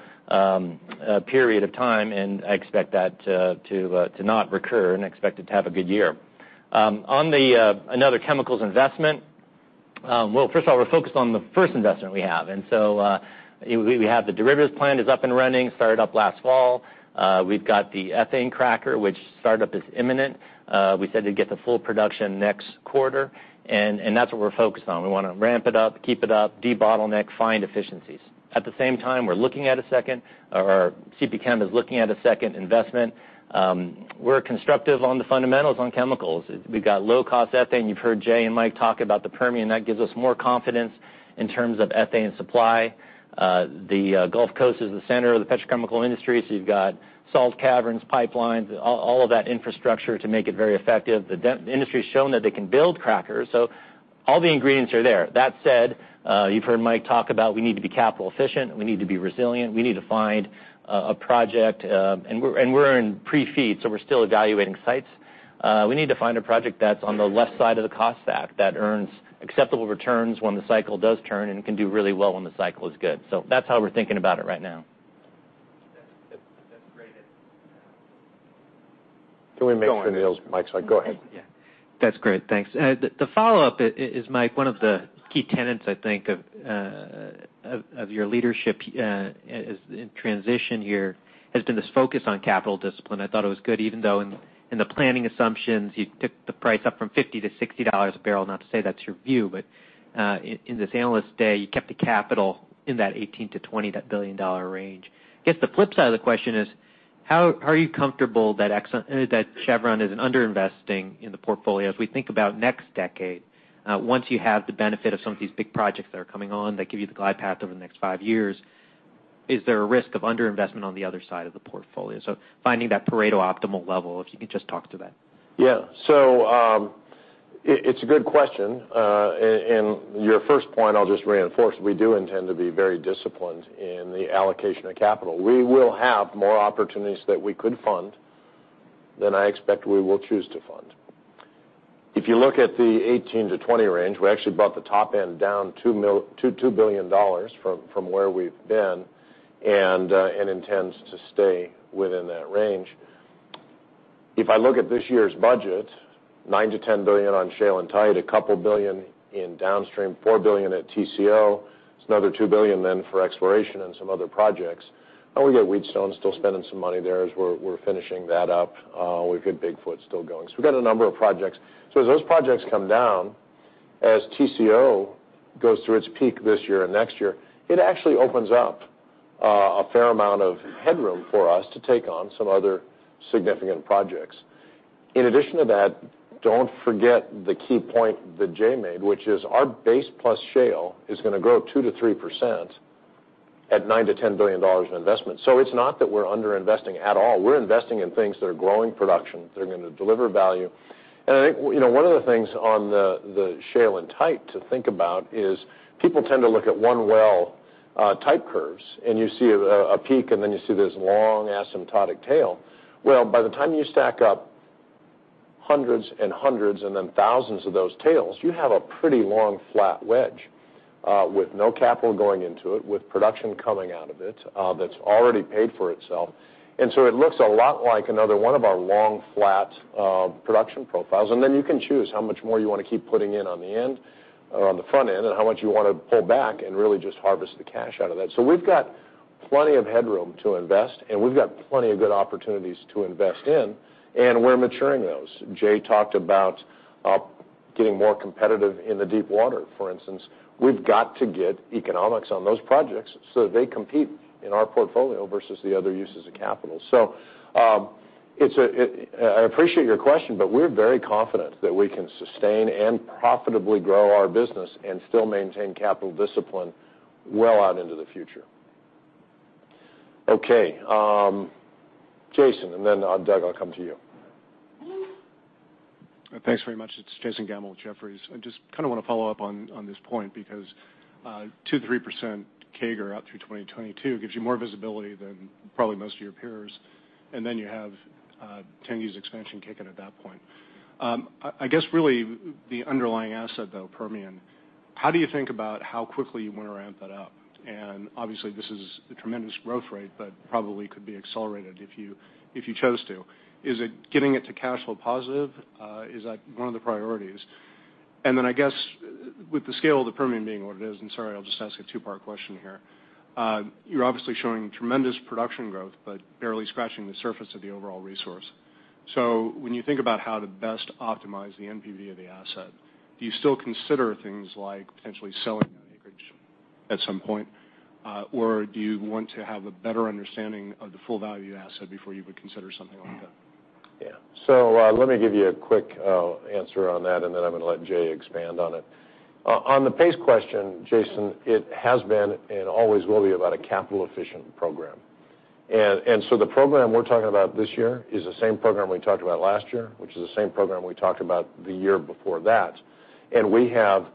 [SPEAKER 8] period of time, and I expect that to not recur and expect it to have a good year. On another chemicals investment, well, first of all, we're focused on the first investment we have. We have the derivatives plant is up and running, started up last fall. We've got the ethane cracker, which startup is imminent. We said we'd get to full production next quarter. That's what we're focused on. We want to ramp it up, keep it up, debottleneck, find efficiencies. At the same time, we're looking at a second-- or CP Chem is looking at a second investment. We're constructive on the fundamentals on chemicals. We've got low-cost ethane. You've heard Jay and Mike talk about the Permian. That gives us more confidence in terms of ethane supply. The Gulf Coast is the center of the petrochemical industry, you've got salt caverns, pipelines, all of that infrastructure to make it very effective. The industry's shown that they can build crackers. All the ingredients are there. That said, you've heard Mike talk about we need to be capital efficient, we need to be resilient, we need to find a project. We're in pre-FEED, we're still evaluating sites. We need to find a project that's on the left side of the cost stack that earns acceptable returns when the cycle does turn and can do really well when the cycle is good. That's how we're thinking about it right now.
[SPEAKER 7] That's great.
[SPEAKER 2] Can we make sure Neil's mic's on? Go ahead.
[SPEAKER 7] Yeah. That's great. Thanks. The follow-up is, Mike, one of the key tenets, I think, of your leadership in transition here has been this focus on capital discipline. I thought it was good, even though in the planning assumptions you took the price up from $50 to $60 a barrel. Not to say that's your view, but in this Analyst Day, you kept the capital in that $18 billion-$20 billion range. I guess the flip side of the question is how are you comfortable that Chevron isn't under-investing in the portfolio? As we think about next decade, once you have the benefit of some of these big projects that are coming on that give you the glide path over the next five years, is there a risk of under-investment on the other side of the portfolio? Finding that Pareto optimal level, if you could just talk to that.
[SPEAKER 2] Yeah. It's a good question. Your first point I'll just reinforce. We do intend to be very disciplined in the allocation of capital. We will have more opportunities that we could fund than I expect we will choose to fund. If you look at the 18-20 range, we actually brought the top end down $2 billion from where we've been and intends to stay within that range. If I look at this year's budget, $9 billion-$10 billion on shale and tight, $2 billion in downstream, $4 billion at TCO. It's another $2 billion for exploration and some other projects. We got Wheatstone still spending some money there as we're finishing that up. We've got Big Foot still going. We've got a number of projects. As those projects come down, as TCO goes through its peak this year and next year, it actually opens up a fair amount of headroom for us to take on some other significant projects. In addition to that, don't forget the key point that Jay made, which is our base plus shale is going to grow 2%-3% at $9 billion-$10 billion in investment. It's not that we're under-investing at all. We're investing in things that are growing production, that are going to deliver value. I think one of the things on the shale and tight to think about is people tend to look at one well type curves, and you see a peak, and then you see this long asymptotic tail. Well, by the time you stack up hundreds and hundreds and then thousands of those tails, you have a pretty long flat wedge with no capital going into it, with production coming out of it that's already paid for itself. It looks a lot like another one of our long, flat production profiles. Then you can choose how much more you want to keep putting in on the end or on the front end, and how much you want to pull back and really just harvest the cash out of that. We've got plenty of headroom to invest, and we've got plenty of good opportunities to invest in, and we're maturing those. Jay talked about getting more competitive in the deepwater, for instance. We've got to get economics on those projects so that they compete in our portfolio versus the other uses of capital. I appreciate your question, but we're very confident that we can sustain and profitably grow our business and still maintain capital discipline well out into the future. Okay. Jason, then Doug, I'll come to you.
[SPEAKER 9] Thanks very much. It's Jason Gammell with Jefferies. I just want to follow up on this point, because 2%-3% CAGR out through 2022 gives you more visibility than probably most of your peers, then you have 10 years expansion kicking at that point. I guess really the underlying asset, though, Permian, how do you think about how quickly you want to ramp that up? Obviously, this is a tremendous growth rate, but probably could be accelerated if you chose to. Is it getting it to cash flow positive? Is that one of the priorities? Then I guess with the scale of the Permian being what it is, and sorry, I'll just ask a two-part question here. You're obviously showing tremendous production growth, but barely scratching the surface of the overall resource. When you think about how to best optimize the NPV of the asset, do you still consider things like potentially selling that acreage at some point? Do you want to have a better understanding of the full value asset before you would consider something like that?
[SPEAKER 2] Yeah. Let me give you a quick answer on that, and then I'm going to let Jay expand on it. On the pace question, Jason, it has been and always will be about a capital-efficient program. The program we're talking about this year is the same program we talked about last year, which is the same program we talked about the year before that. We have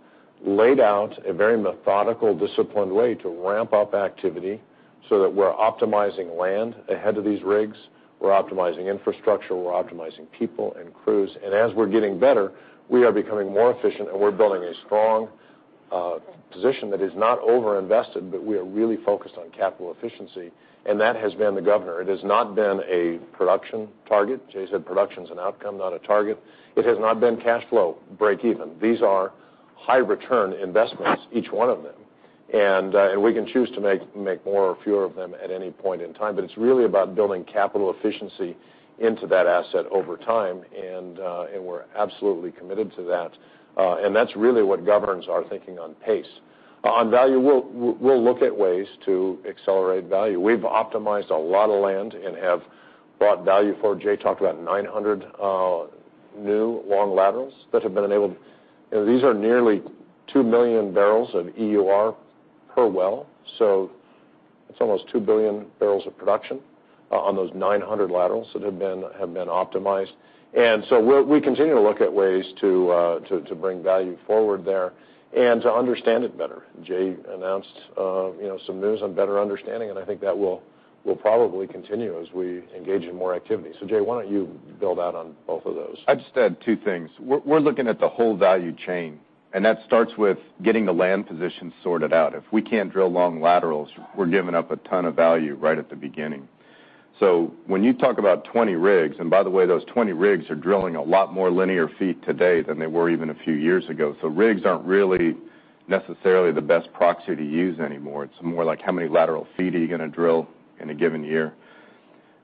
[SPEAKER 2] laid out a very methodical, disciplined way to ramp up activity so that we're optimizing land ahead of these rigs. We're optimizing infrastructure. We're optimizing people and crews. As we're getting better, we are becoming more efficient, and we're building a strong position that is not over-invested, but we are really focused on capital efficiency, and that has been the governor. It has not been a production target. Jay said production's an outcome, not a target. It has not been cash flow breakeven. These are high-return investments, each one of them. We can choose to make more or fewer of them at any point in time. It's really about building capital efficiency into that asset over time, and we're absolutely committed to that. That's really what governs our thinking on pace. On value, we'll look at ways to accelerate value. We've optimized a lot of land and have brought value forward. Jay talked about 900 new long laterals that have been enabled. These are nearly 2 million barrels of EUR per well. It's almost 2 billion barrels of production on those 900 laterals that have been optimized. We continue to look at ways to bring value forward there and to understand it better. Jay announced some news on better understanding, and I think that will probably continue as we engage in more activity. Jay, why don't you build out on both of those?
[SPEAKER 3] I'd just add two things. We're looking at the whole value chain, and that starts with getting the land position sorted out. If we can't drill long laterals, we're giving up a ton of value right at the beginning. When you talk about 20 rigs, and by the way, those 20 rigs are drilling a lot more linear feet today than they were even a few years ago. Rigs aren't really necessarily the best proxy to use anymore. It's more like how many lateral feet are you going to drill in a given year?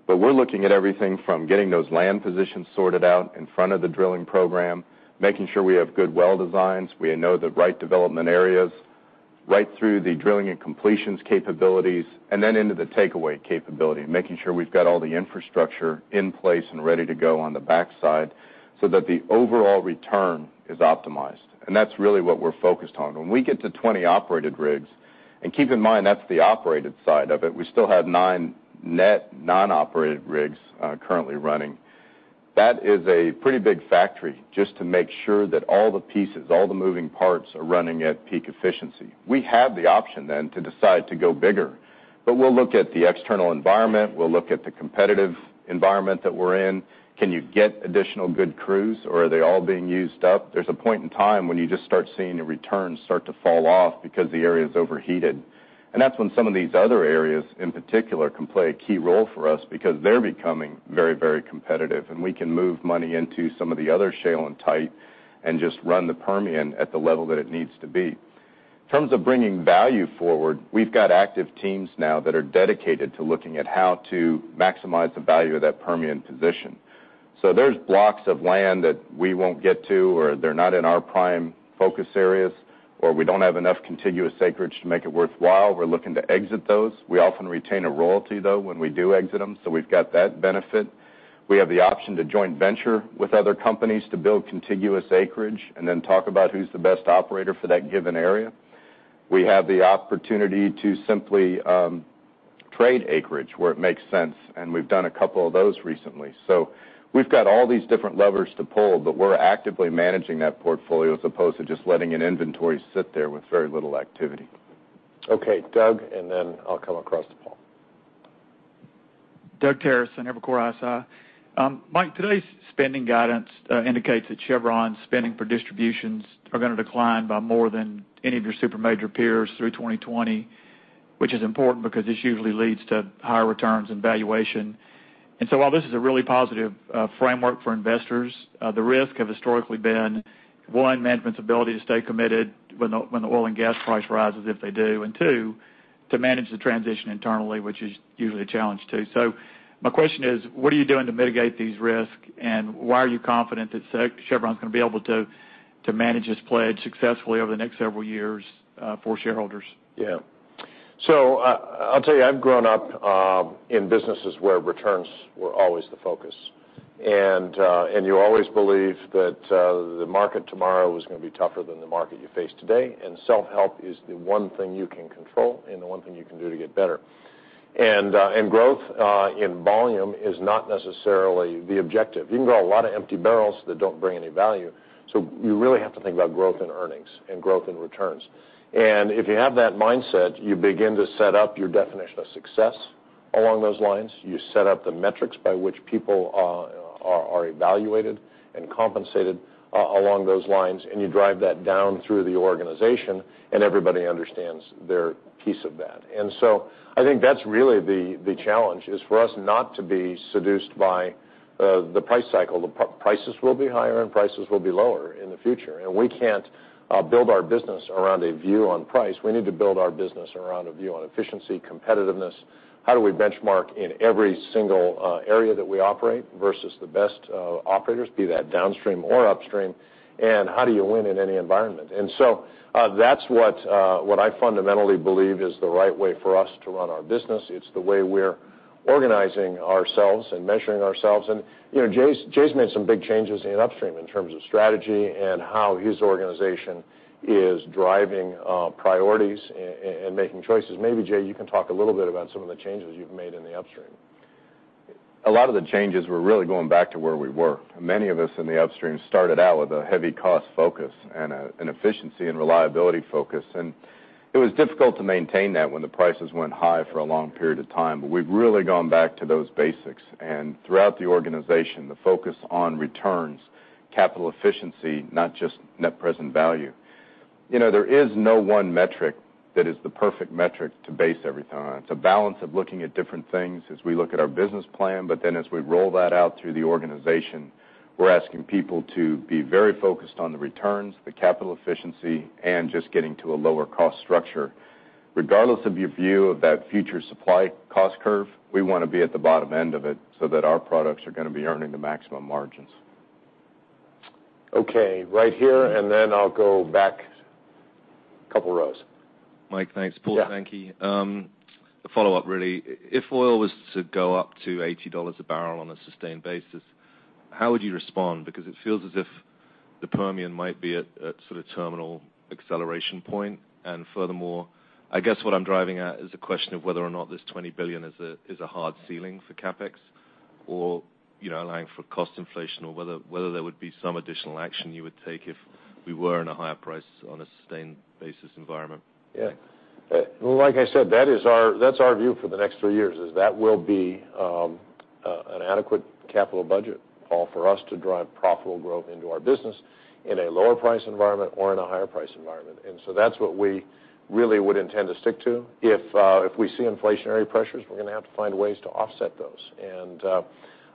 [SPEAKER 3] We're looking at everything from getting those land positions sorted out in front of the drilling program, making sure we have good well designs, we know the right development areas, right through the drilling and completions capabilities, and then into the takeaway capability, making sure we've got all the infrastructure in place and ready to go on the backside so that the overall return is optimized. That's really what we're focused on. When we get to 20 operated rigs, and keep in mind, that's the operated side of it, we still have nine net non-operated rigs currently running. That is a pretty big factory just to make sure that all the pieces, all the moving parts are running at peak efficiency. We have the option to decide to go bigger, we'll look at the external environment. We'll look at the competitive environment that we're in. Can you get additional good crews, or are they all being used up? There's a point in time when you just start seeing the returns start to fall off because the area's overheated. That's when some of these other areas in particular can play a key role for us because they're becoming very competitive, and we can move money into some of the other shale and tight and just run the Permian at the level that it needs to be. In terms of bringing value forward, we've got active teams now that are dedicated to looking at how to maximize the value of that Permian position. There's blocks of land that we won't get to, or they're not in our prime focus areas, or we don't have enough contiguous acreage to make it worthwhile. We're looking to exit those. We often retain a royalty, though, when we do exit them, we've got that benefit. We have the option to joint venture with other companies to build contiguous acreage and then talk about who's the best operator for that given area. We have the opportunity to simply trade acreage where it makes sense, we've done a couple of those recently. We've got all these different levers to pull, we're actively managing that portfolio as opposed to just letting an inventory sit there with very little activity.
[SPEAKER 2] Okay, Doug, I'll come across to Paul.
[SPEAKER 10] Doug Terreson, Evercore ISI. Mike, today's spending guidance indicates that Chevron's spending for distributions are going to decline by more than any of your super major peers through 2020, which is important because this usually leads to higher returns and valuation. While this is a really positive framework for investors, the risk have historically been, one, management's ability to stay committed when the oil and gas price rises, if they do, and two, to manage the transition internally, which is usually a challenge, too. My question is, what are you doing to mitigate these risks, and why are you confident that Chevron's going to be able to manage this pledge successfully over the next several years for shareholders?
[SPEAKER 2] Yeah. I'll tell you, I've grown up in businesses where returns were always the focus. You always believe that the market tomorrow is going to be tougher than the market you face today, and self-help is the one thing you can control and the one thing you can do to get better. Growth in volume is not necessarily the objective. You can grow a lot of empty barrels that don't bring any value. You really have to think about growth in earnings and growth in returns. If you have that mindset, you begin to set up your definition of success along those lines. You set up the metrics by which people are evaluated and compensated along those lines, and you drive that down through the organization, and everybody understands their piece of that. I think that's really the challenge is for us not to be seduced by the price cycle. The prices will be higher and prices will be lower in the future. We can't build our business around a view on price. We need to build our business around a view on efficiency, competitiveness. How do we benchmark in every single area that we operate versus the best operators, be that downstream or upstream, and how do you win in any environment? That's what I fundamentally believe is the right way for us to run our business. It's the way we're organizing ourselves and measuring ourselves. Jay's made some big changes in upstream in terms of strategy and how his organization is driving priorities and making choices. Maybe, Jay, you can talk a little bit about some of the changes you've made in the upstream.
[SPEAKER 3] A lot of the changes were really going back to where we were. Many of us in the upstream started out with a heavy cost focus and an efficiency and reliability focus. It was difficult to maintain that when the prices went high for a long period of time. We've really gone back to those basics. Throughout the organization, the focus on returns, capital efficiency, not just net present value. There is no one metric that is the perfect metric to base everything on. It's a balance of looking at different things as we look at our business plan. As we roll that out through the organization, we're asking people to be very focused on the returns, the capital efficiency, and just getting to a lower cost structure. Regardless of your view of that future supply cost curve, we want to be at the bottom end of it so that our products are going to be earning the maximum margins.
[SPEAKER 2] Okay. Right here, I'll go back a couple rows.
[SPEAKER 11] Mike, thanks. Paul Sankey.
[SPEAKER 2] Yeah.
[SPEAKER 11] A follow-up, really. If oil was to go up to $80 a barrel on a sustained basis, how would you respond? It feels as if the Permian might be at sort of terminal acceleration point. Furthermore, I guess what I'm driving at is the question of whether or not this $20 billion is a hard ceiling for CapEx or allowing for cost inflation or whether there would be some additional action you would take if we were in a higher price on a sustained basis environment.
[SPEAKER 2] Yeah. Well, like I said, that's our view for the next three years is that will be an adequate capital budget, Paul, for us to drive profitable growth into our business in a lower price environment or in a higher price environment. That's what we really would intend to stick to. If we see inflationary pressures, we're going to have to find ways to offset those.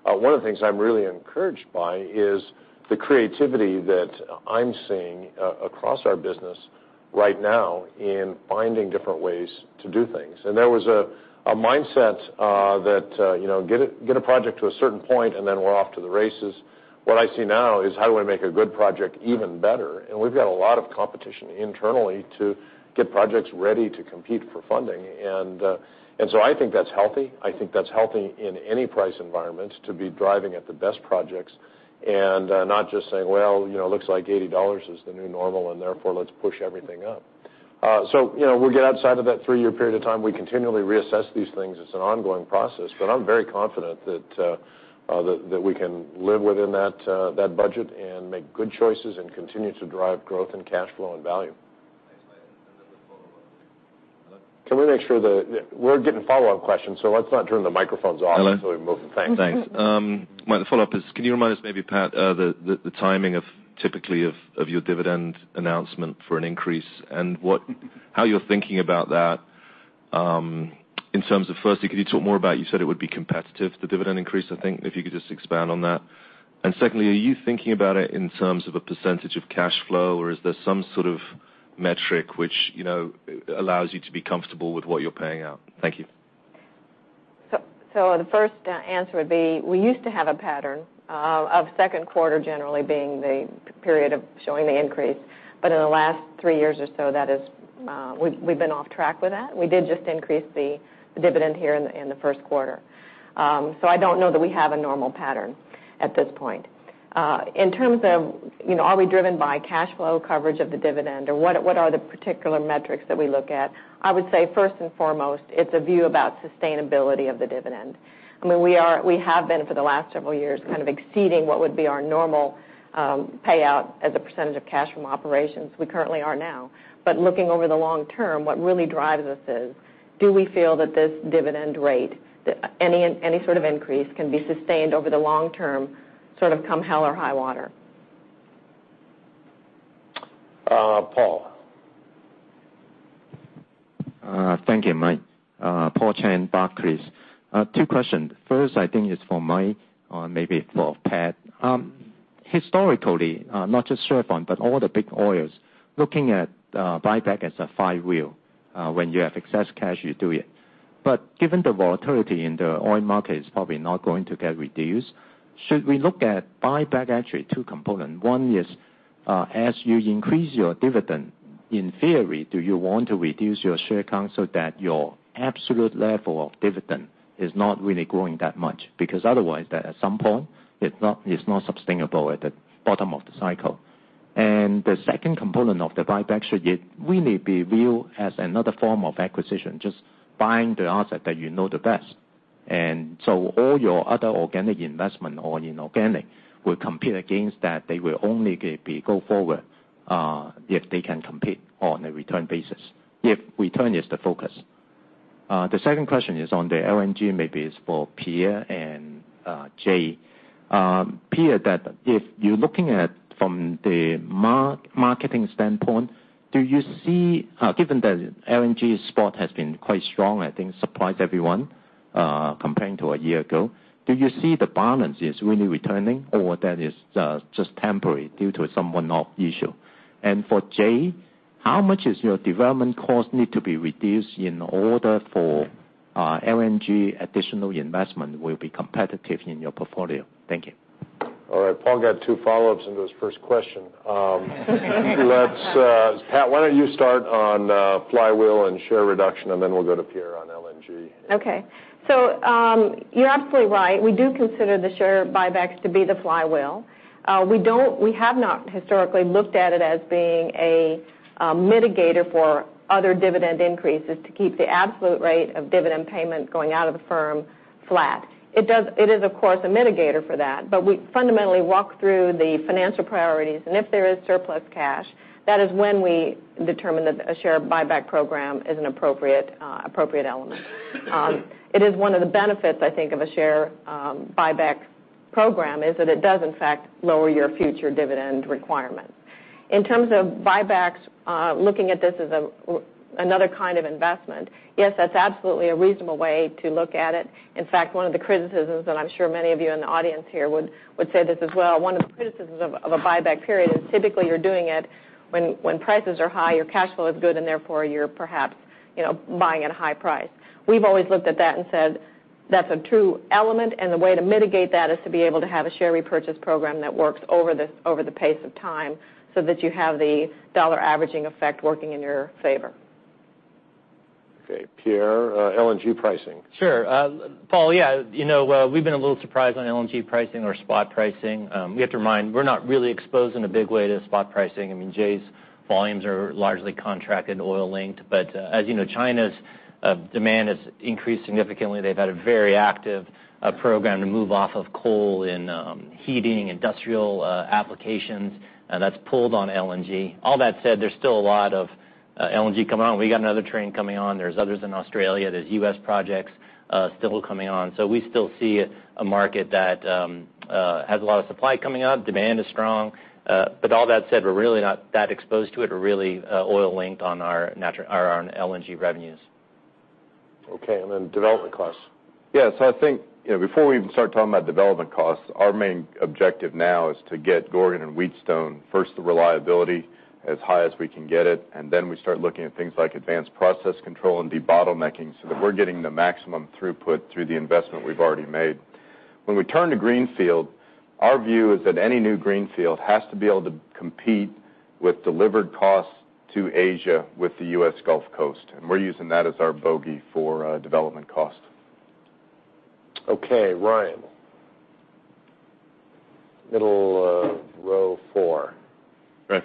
[SPEAKER 2] One of the things I'm really encouraged by is the creativity that I'm seeing across our business right now in finding different ways to do things. There was a mindset that get a project to a certain point, then we're off to the races. What I see now is how do I make a good project even better? We've got a lot of competition internally to get projects ready to compete for funding. I think that's healthy. I think that's healthy in any price environment to be driving at the best projects and not just saying, "Well, it looks like $80 is the new normal, and therefore let's push everything up." We'll get outside of that three-year period of time. We continually reassess these things. It's an ongoing process, but I'm very confident that we can live within that budget and make good choices and continue to drive growth and cash flow and value.
[SPEAKER 11] Thanks, Mike. The follow-up.
[SPEAKER 2] Can we make sure we're getting follow-up questions, so let's not turn the microphones off until we move. Thanks.
[SPEAKER 11] Thanks. My follow-up is, can you remind us maybe, Pat, the timing of typically of your dividend announcement for an increase and how you're thinking about that. In terms of, firstly, could you talk more about you said it would be competitive, the dividend increase? I think if you could just expand on that. Secondly, are you thinking about it in terms of a percentage of cash flow, or is there some sort of metric which allows you to be comfortable with what you're paying out? Thank you.
[SPEAKER 5] The first answer would be, we used to have a pattern of second quarter generally being the period of showing the increase. In the last three years or so, we've been off track with that. We did just increase the dividend here in the first quarter. I don't know that we have a normal pattern at this point. In terms of, are we driven by cash flow coverage of the dividend or what are the particular metrics that we look at? I would say first and foremost, it's a view about sustainability of the dividend. We have been for the last several years kind of exceeding what would be our normal payout as a percentage of cash from operations. We currently are now. Looking over the long term, what really drives us is, do we feel that this dividend rate, any sort of increase can be sustained over the long term, sort of come hell or high water?
[SPEAKER 2] Paul.
[SPEAKER 12] Thank you, Mike. Paul Cheng, Barclays. Two questions. First, I think it's for Mike, or maybe for Pat. Historically, not just Chevron, but all the big oils looking at buyback as a flywheel. When you have excess cash, you do it. Given the volatility in the oil market is probably not going to get reduced, should we look at buyback actually two components. One is as you increase your dividend, in theory, do you want to reduce your share count so that your absolute level of dividend is not really growing that much? Otherwise, at some point it's not sustainable at the bottom of the cycle. The second component of the buyback should really be viewed as another form of acquisition, just buying the asset that you know the best. So all your other organic investment or inorganic will compete against that. They will only go forward if they can compete on a return basis, if return is the focus. The second question is on the LNG, maybe it's for Pierre and Jay. Pierre, if you're looking at from the marketing standpoint, given that LNG spot has been quite strong, I think supplies everyone comparing to a year ago. Do you see the balance is really returning or that is just temporary due to some one-off issue? For Jay, how much is your development cost need to be reduced in order for LNG additional investment will be competitive in your portfolio? Thank you.
[SPEAKER 2] All right. Paul got two follow-ups into his first question. Pat, why don't you start on flywheel and share reduction, and then we'll go to Pierre on LNG.
[SPEAKER 5] Okay. You're absolutely right. We do consider the share buybacks to be the flywheel. We have not historically looked at it as being a mitigator for other dividend increases to keep the absolute rate of dividend payment going out of the firm flat. It is, of course, a mitigator for that, we fundamentally walk through the financial priorities, if there is surplus cash, that is when we determine that a share buyback program is an appropriate element. It is one of the benefits, I think of a share buyback program is that it does in fact lower your future dividend requirement. In terms of buybacks looking at this as another kind of investment, yes, that's absolutely a reasonable way to look at it. In fact, one of the criticisms, I'm sure many of you in the audience here would say this as well, one of the criticisms of a buyback period is typically you're doing it when prices are high, your cash flow is good, therefore you're perhaps buying at a high price. We've always looked at that said that's a true element, the way to mitigate that is to be able to have a share repurchase program that works over the pace of time so that you have the dollar-averaging effect working in your favor.
[SPEAKER 2] Okay, Pierre, LNG pricing.
[SPEAKER 8] Sure. Paul, yeah, we've been a little surprised on LNG pricing or spot pricing. You have to remind, we're not really exposed in a big way to spot pricing. Jay's volumes are largely contracted oil linked. As China's demand has increased significantly, they've had a very active program to move off of coal in heating industrial applications, and that's pulled on LNG. All that said, there's still a lot of LNG coming on. We got another train coming on. There's others in Australia. There's U.S. projects still coming on. We still see a market that has a lot of supply coming on. Demand is strong. All that said, we're really not that exposed to it. We're really oil linked on our LNG revenues.
[SPEAKER 2] Okay, then development costs.
[SPEAKER 3] Yeah. I think before we even start talking about development costs, our main objective now is to get Gorgon and Wheatstone first, the reliability as high as we can get it, then we start looking at things like advanced process control and debottlenecking so that we're getting the maximum throughput through the investment we've already made. When we turn to Greenfield, our view is that any new Greenfield has to be able to compete with delivered costs to Asia with the U.S. Gulf Coast. We're using that as our bogey for development cost.
[SPEAKER 2] Okay, Ryan. Middle row four.
[SPEAKER 13] Right.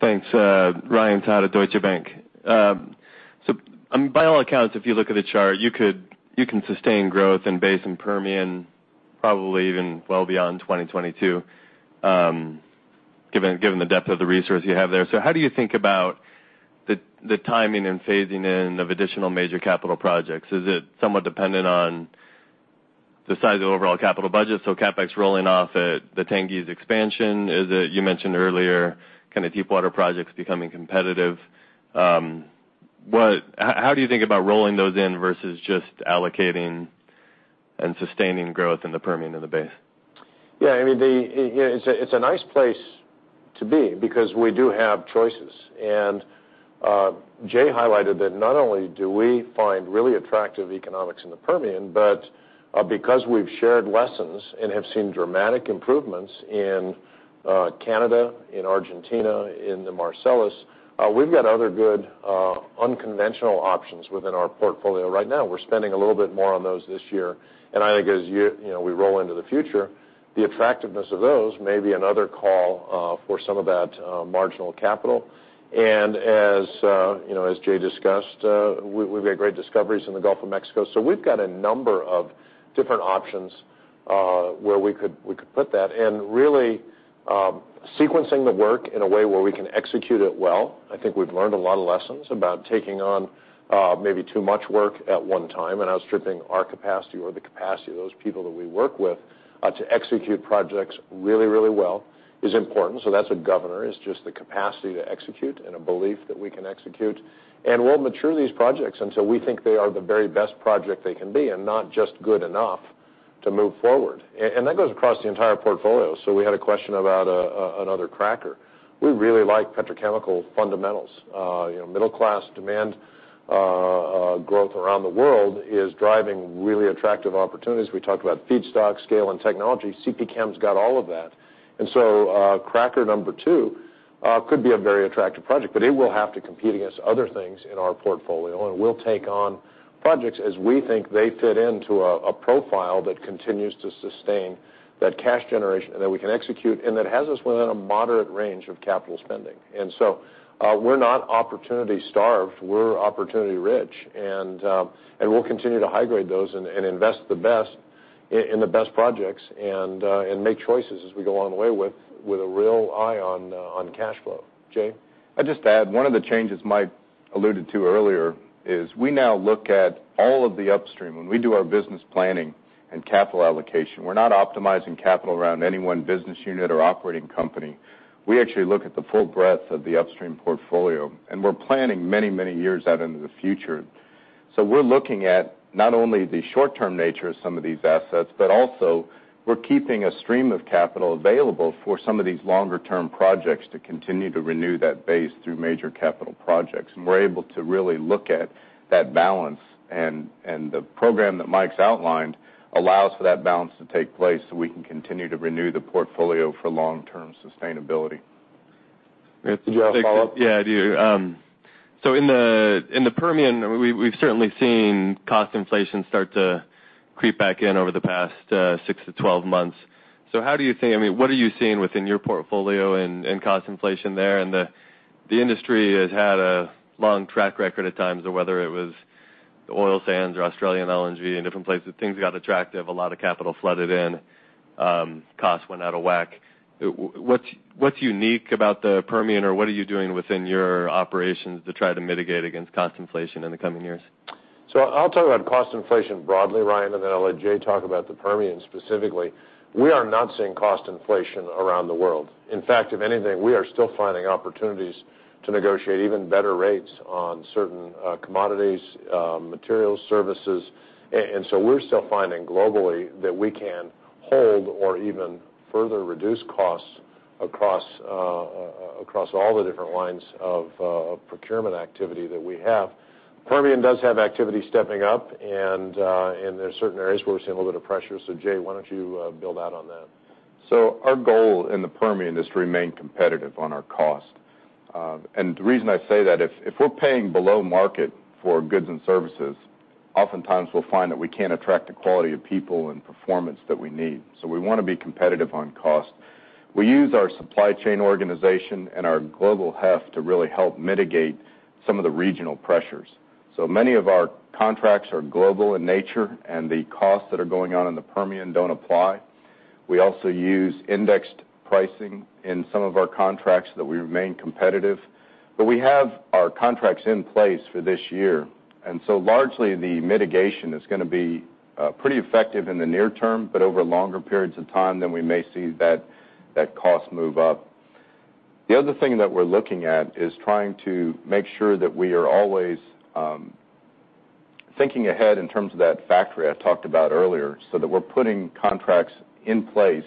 [SPEAKER 13] Thanks. Ryan Todd at Deutsche Bank. By all accounts, if you look at the chart, you can sustain growth in Basin Permian probably even well beyond 2022 given the depth of the resource you have there. How do you think about the timing and phasing in of additional major capital projects? Is it somewhat dependent on the size of overall capital budget, CapEx rolling off at the Tengiz expansion, as you mentioned earlier, kind of Deepwater projects becoming competitive. How do you think about rolling those in versus just allocating and sustaining growth in the Permian and the base?
[SPEAKER 2] Yeah. It's a nice place to be because we do have choices. Jay highlighted that not only do we find really attractive economics in the Permian, but because we've shared lessons and have seen dramatic improvements in Canada, in Argentina, in the Marcellus, we've got other good unconventional options within our portfolio right now. We're spending a little bit more on those this year. I think as we roll into the future, the attractiveness of those may be another call for some of that marginal capital. As Jay discussed, we've made great discoveries in the Gulf of Mexico. We've got a number of different options where we could put that and really sequencing the work in a way where we can execute it well. I think we've learned a lot of lessons about taking on maybe too much work at one time, and outstripping our capacity or the capacity of those people that we work with to execute projects really, really well is important. That's a governor, is just the capacity to execute and a belief that we can execute. We'll mature these projects until we think they are the very best project they can be, and not just good enough to move forward. That goes across the entire portfolio. We had a question about another cracker. We really like petrochemical fundamentals. Middle class demand growth around the world is driving really attractive opportunities. We talked about feedstock, scale, and technology. CP Chem's got all of that. Cracker number 2 could be a very attractive project, it will have to compete against other things in our portfolio, we'll take on projects as we think they fit into a profile that continues to sustain that cash generation, that we can execute, that has us within a moderate range of capital spending. We're not opportunity starved. We're opportunity rich. We'll continue to high-grade those and invest the best in the best projects and make choices as we go along the way with a real eye on cash flow. Jay?
[SPEAKER 3] I'd just add, one of the changes Mike alluded to earlier is we now look at all of the upstream when we do our business planning and capital allocation. We're not optimizing capital around any one business unit or operating company. We actually look at the full breadth of the upstream portfolio, we're planning many, many years out into the future. We're looking at not only the short-term nature of some of these assets, also we're keeping a stream of capital available for some of these longer-term projects to continue to renew that base through major capital projects. We're able to really look at that balance. The program that Mike's outlined allows for that balance to take place so we can continue to renew the portfolio for long-term sustainability.
[SPEAKER 2] Did you have a follow-up?
[SPEAKER 13] Yeah, I do. In the Permian, we've certainly seen cost inflation start to creep back in over the past 6 to 12 months. What are you seeing within your portfolio in cost inflation there? The industry has had a long track record at times of whether it was oil sands or Australian LNG and different places. Things got attractive, a lot of capital flooded in, costs went out of whack. What's unique about the Permian, or what are you doing within your operations to try to mitigate against cost inflation in the coming years?
[SPEAKER 2] I'll talk about cost inflation broadly, Ryan, and then I'll let Jay talk about the Permian specifically. We are not seeing cost inflation around the world. In fact, if anything, we are still finding opportunities to negotiate even better rates on certain commodities, materials, services. We're still finding globally that we can hold or even further reduce costs across all the different lines of procurement activity that we have. Permian does have activity stepping up, and there's certain areas where we're seeing a little bit of pressure. Jay, why don't you build out on that?
[SPEAKER 3] Our goal in the Permian is to remain competitive on our cost. The reason I say that, if we're paying below market for goods and services, oftentimes we'll find that we can't attract the quality of people and performance that we need. We want to be competitive on cost. We use our supply chain organization and our global heft to really help mitigate some of the regional pressures. Many of our contracts are global in nature, and the costs that are going on in the Permian don't apply. We also use indexed pricing in some of our contracts that we remain competitive. We have our contracts in place for this year, and so largely the mitigation is going to be pretty effective in the near term, but over longer periods of time, then we may see that cost move up. The other thing that we're looking at is trying to make sure that we are always thinking ahead in terms of that factory I talked about earlier, so that we're putting contracts in place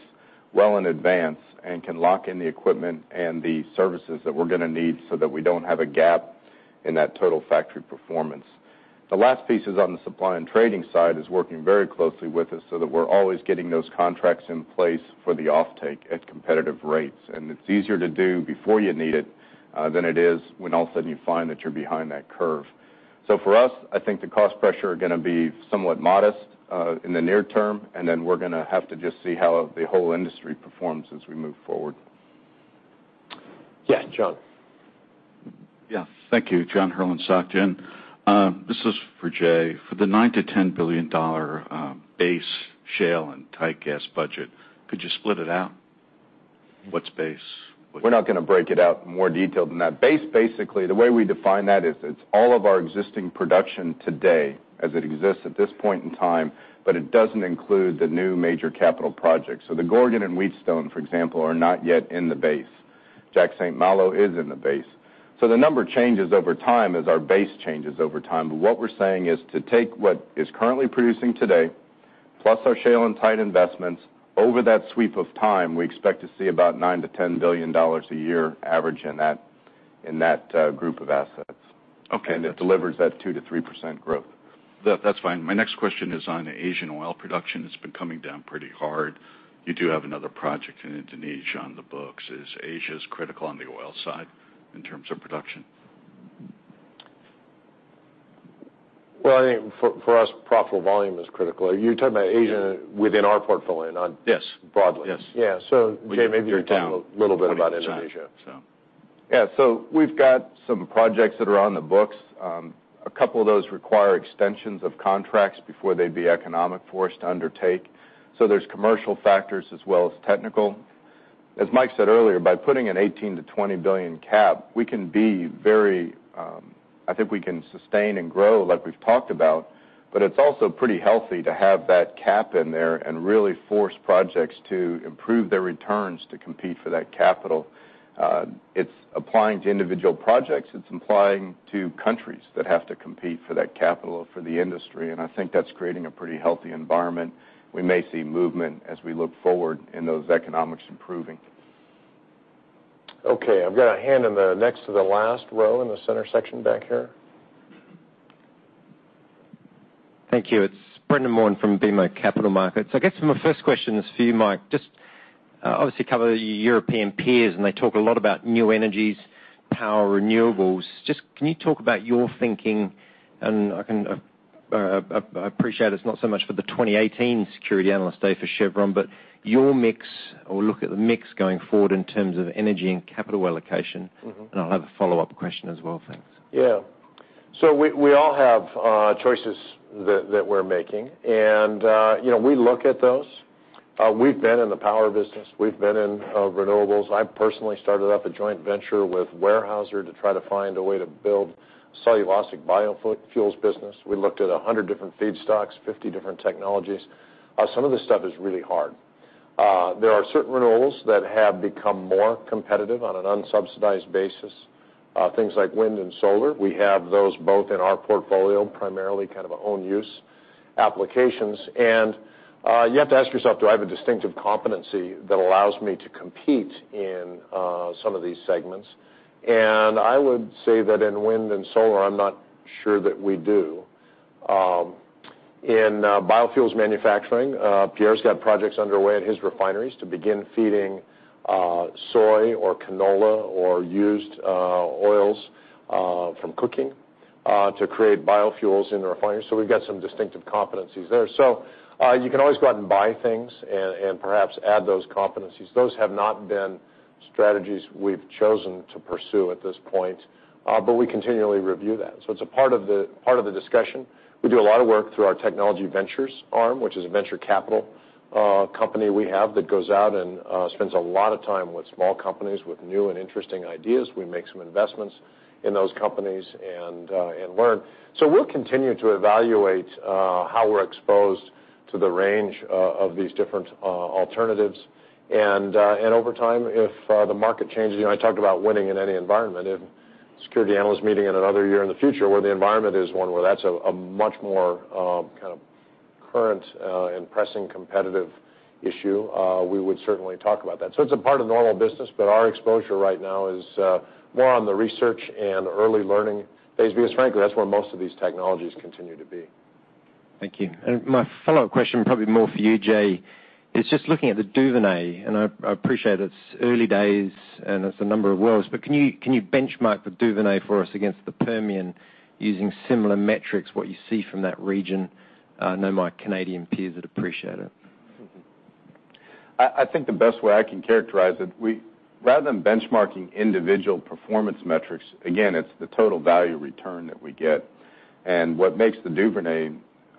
[SPEAKER 3] well in advance and can lock in the equipment and the services that we're going to need so that we don't have a gap in that total factory performance. The last piece is on the supply and trading side is working very closely with us so that we're always getting those contracts in place for the offtake at competitive rates. It's easier to do before you need it than it is when all of a sudden you find that you're behind that curve. For us, I think the cost pressure are going to be somewhat modest in the near term, and then we're going to have to just see how the whole industry performs as we move forward.
[SPEAKER 2] Yeah, John.
[SPEAKER 14] Yeah. Thank you. John Herrlin, Societe Generale. This is for Jay. For the $9 billion-$10 billion base shale and tight gas budget, could you split it out?
[SPEAKER 3] What's base? We're not going to break it out in more detail than that. Base, basically, the way we define that is it's all of our existing production today as it exists at this point in time, but it doesn't include the new major capital projects. The Gorgon and Wheatstone, for example, are not yet in the base. Jack/St. Malo is in the base. The number changes over time as our base changes over time. What we're saying is to take what is currently producing today, plus our shale and tight investments over that sweep of time, we expect to see about $9 billion-$10 billion a year average in that group of assets. Okay. It delivers that 2%-3% growth.
[SPEAKER 14] That's fine. My next question is on Asian oil production. It's been coming down pretty hard. You do have another project in Indonesia on the books. Is Asia critical on the oil side in terms of production?
[SPEAKER 3] Well, I think for us, profitable volume is critical. Are you talking about Asia within our portfolio, broadly?
[SPEAKER 14] Yes. Yeah. Jay, maybe you can talk a little bit about Indonesia.
[SPEAKER 3] Yeah. We've got some projects that are on the books. A couple of those require extensions of contracts before they'd be economic for us to undertake. There's commercial factors as well as technical. As Mike said earlier, by putting an $18 billion-$20 billion cap, I think we can sustain and grow, like we've talked about. It's also pretty healthy to have that cap in there and really force projects to improve their returns to compete for that capital. It's applying to individual projects.
[SPEAKER 2] It's applying to countries that have to compete for that capital for the industry, I think that's creating a pretty healthy environment. We may see movement as we look forward in those economics improving. Okay, I've got a hand in the next to the last row in the center section back here.
[SPEAKER 15] Thank you. It's Brendan Warn from BMO Capital Markets. I guess my first question is for you, Mike. Obviously cover your European peers, they talk a lot about new energies, power renewables. Can you talk about your thinking? I appreciate it's not so much for the 2018 Security Analyst Day for Chevron, but your mix or look at the mix going forward in terms of energy and capital allocation. I'll have a follow-up question as well. Thanks.
[SPEAKER 2] Yeah. We all have choices that we're making, we look at those. We've been in the power business. We've been in renewables. I personally started up a joint venture with Weyerhaeuser to try to find a way to build a cellulosic biofuels business. We looked at 100 different feedstocks, 50 different technologies. Some of this stuff is really hard. There are certain renewables that have become more competitive on an unsubsidized basis. Things like wind and solar. We have those both in our portfolio, primarily kind of our own use applications. You have to ask yourself, do I have a distinctive competency that allows me to compete in some of these segments? I would say that in wind and solar, I'm not sure that we do. In biofuels manufacturing, Pierre's got projects underway at his refineries to begin feeding soy or canola or used oils from cooking to create biofuels in the refinery. We've got some distinctive competencies there. You can always go out and buy things and perhaps add those competencies. Those have not been strategies we've chosen to pursue at this point, but we continually review that. It's a part of the discussion. We do a lot of work through our technology ventures arm, which is a venture capital company we have that goes out and spends a lot of time with small companies with new and interesting ideas. We make some investments in those companies and learn. We'll continue to evaluate how we're exposed to the range of these different alternatives. Over time, if the market changes, I talked about winning in any environment. In a security analyst meeting in another year in the future where the environment is one where that's a much more kind of current and pressing competitive issue, we would certainly talk about that. It's a part of normal business, but our exposure right now is more on the research and early learning phase. Frankly, that's where most of these technologies continue to be.
[SPEAKER 15] Thank you. My follow-up question, probably more for you, Jay, is just looking at the Duvernay, and I appreciate it's early days, and it's a number of wells, but can you benchmark the Duvernay for us against the Permian using similar metrics, what you see from that region? I know my Canadian peers would appreciate it.
[SPEAKER 2] I think the best way I can characterize it, rather than benchmarking individual performance metrics, again, it's the total value return that we get. What makes the Duvernay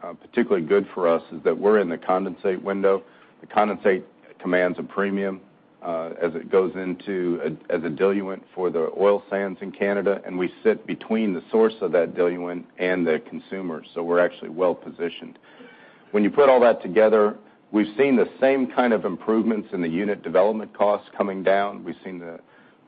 [SPEAKER 2] particularly good for us is that we're in the condensate window. The condensate commands a premium as it goes into as a diluent for the oil sands in Canada, and we sit between the source of that diluent and the consumer. We're actually well-positioned. When you put all that together, we've seen the same kind of improvements in the unit development costs coming down.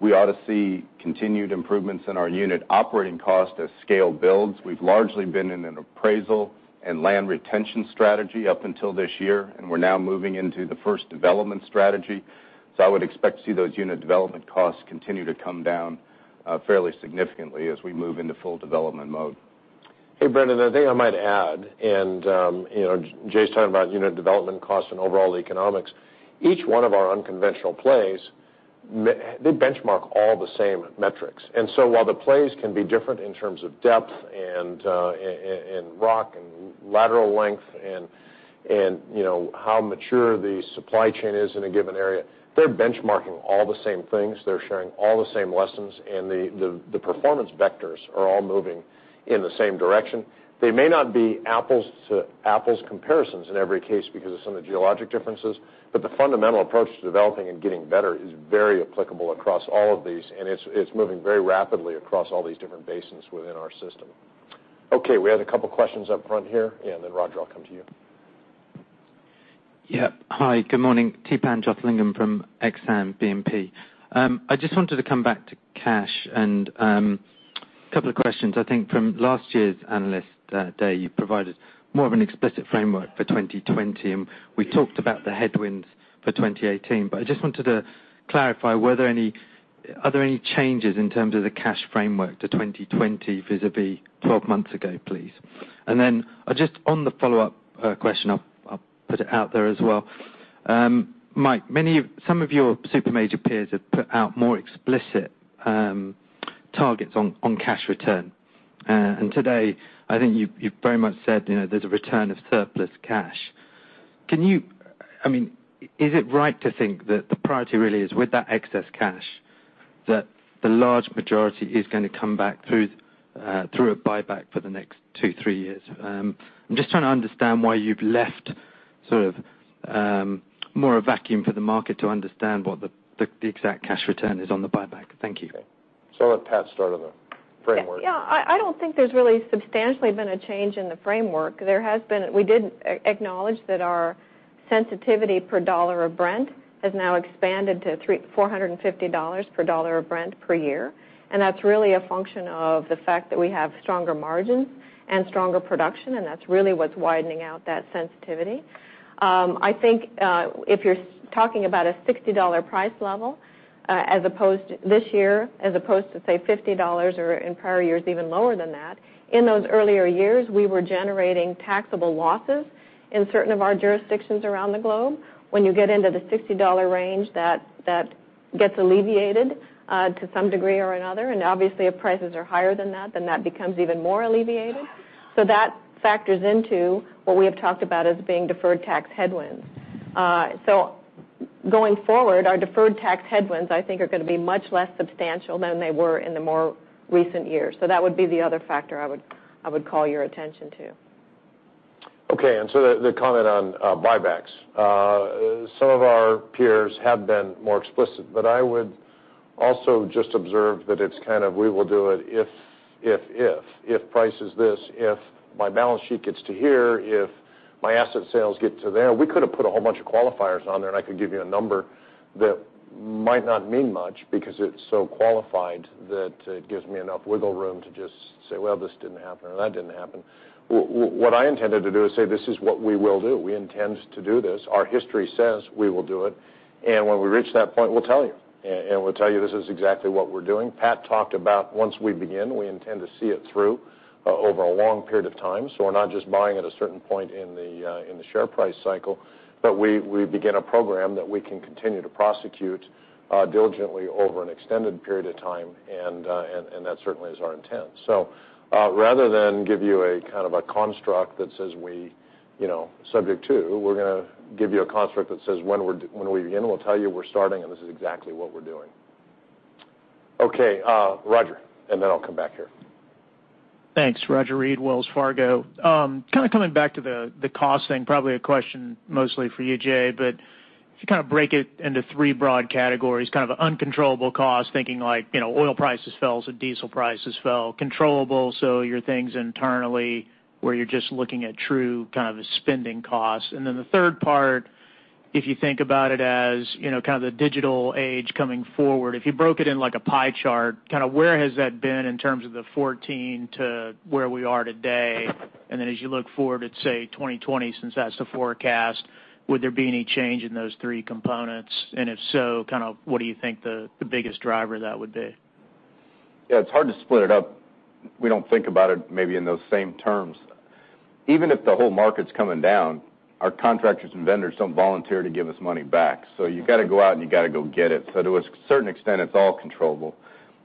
[SPEAKER 2] We ought to see continued improvements in our unit operating cost as scale builds. We've largely been in an appraisal and land retention strategy up until this year, and we're now moving into the first development strategy. I would expect to see those unit development costs continue to come down fairly significantly as we move into full development mode. Brendan Warn, the thing I might add, and Jay's talking about unit development costs and overall economics. Each one of our unconventional plays, they benchmark all the same metrics. While the plays can be different in terms of depth and Rock and lateral length and how mature the supply chain is in a given area. They're benchmarking all the same things. They're sharing all the same lessons, and the performance vectors are all moving in the same direction. They may not be apples to apples comparisons in every case because of some of the geologic differences, but the fundamental approach to developing and getting better is very applicable across all of these, and it's moving very rapidly across all these different basins within our system. We had a couple questions up front here, and then Roger Read, I'll come to you.
[SPEAKER 16] Hi, good morning. Theepan Jothilingam from Exane BNP. I just wanted to come back to cash and, couple of questions. I think from last year's analyst day, you provided more of an explicit framework for 2020, we talked about the headwinds for 2018. I just wanted to clarify, are there any changes in terms of the cash framework to 2020 vis-a-vis 12 months ago, please? Just on the follow-up question, I'll put it out there as well. Mike Wirth, some of your super major peers have put out more explicit targets on cash return. Today, I think you've very much said there's a return of surplus cash. Is it right to think that the priority really is with that excess cash, that the large majority is going to come back through a buyback for the next two, three years? I'm just trying to understand why you've left sort of more a vacuum for the market to understand what the exact cash return is on the buyback. Thank you.
[SPEAKER 2] I'll let Pat start on the framework.
[SPEAKER 5] Yeah, I don't think there's really substantially been a change in the framework. We did acknowledge that our sensitivity per dollar of Brent has now expanded to $450 million per dollar of Brent per year, and that's really a function of the fact that we have stronger margins and stronger production, and that's really what's widening out that sensitivity. I think, if you're talking about a $60 price level this year as opposed to, say, $50 or in prior years, even lower than that. In those earlier years, we were generating taxable losses in certain of our jurisdictions around the globe. When you get into the $60 range, that gets alleviated to some degree or another. Obviously if prices are higher than that, then that becomes even more alleviated. That factors into what we have talked about as being deferred tax headwinds. Going forward, our deferred tax headwinds, I think, are going to be much less substantial than they were in the more recent years. That would be the other factor I would call your attention to.
[SPEAKER 2] Okay, the comment on buybacks. Some of our peers have been more explicit, but I would also just observe that it's kind of we will do it if, if. If price is this, if my balance sheet gets to here, if my asset sales get to there. We could've put a whole bunch of qualifiers on there, and I could give you a number that might not mean much because it's so qualified that it gives me enough wiggle room to just say, "Well, this didn't happen or that didn't happen." What I intended to do is say, "This is what we will do. We intend to do this. Our history says we will do it. When we reach that point, we'll tell you. We'll tell you this is exactly what we're doing." Pat talked about once we begin, we intend to see it through over a long period of time. We're not just buying at a certain point in the share price cycle, but we begin a program that we can continue to prosecute diligently over an extended period of time, and that certainly is our intent. Rather than give you a kind of a construct that says we subject to, we're going to give you a construct that says when we begin, we'll tell you we're starting, and this is exactly what we're doing. Okay, Roger. Then I'll come back here.
[SPEAKER 17] Thanks. Roger Read, Wells Fargo. Kind of coming back to the cost thing, probably a question mostly for you, Jay, but if you kind of break it into three broad categories, kind of uncontrollable cost, thinking like oil prices fell. Diesel prices fell. Controllable. Your things internally where you're just looking at true kind of spending costs. Then the third part, if you think about it as kind of the digital age coming forward. If you broke it in like a pie chart, where has that been in terms of the 2014 to where we are today? As you look forward at, say, 2020, since that's the forecast, would there be any change in those three components? If so, what do you think the biggest driver of that would be?
[SPEAKER 3] Yeah, it's hard to split it up. We don't think about it maybe in those same terms. Even if the whole market's coming down, our contractors and vendors don't volunteer to give us money back. You got to go out and you got to go get it. To a certain extent, it's all controllable.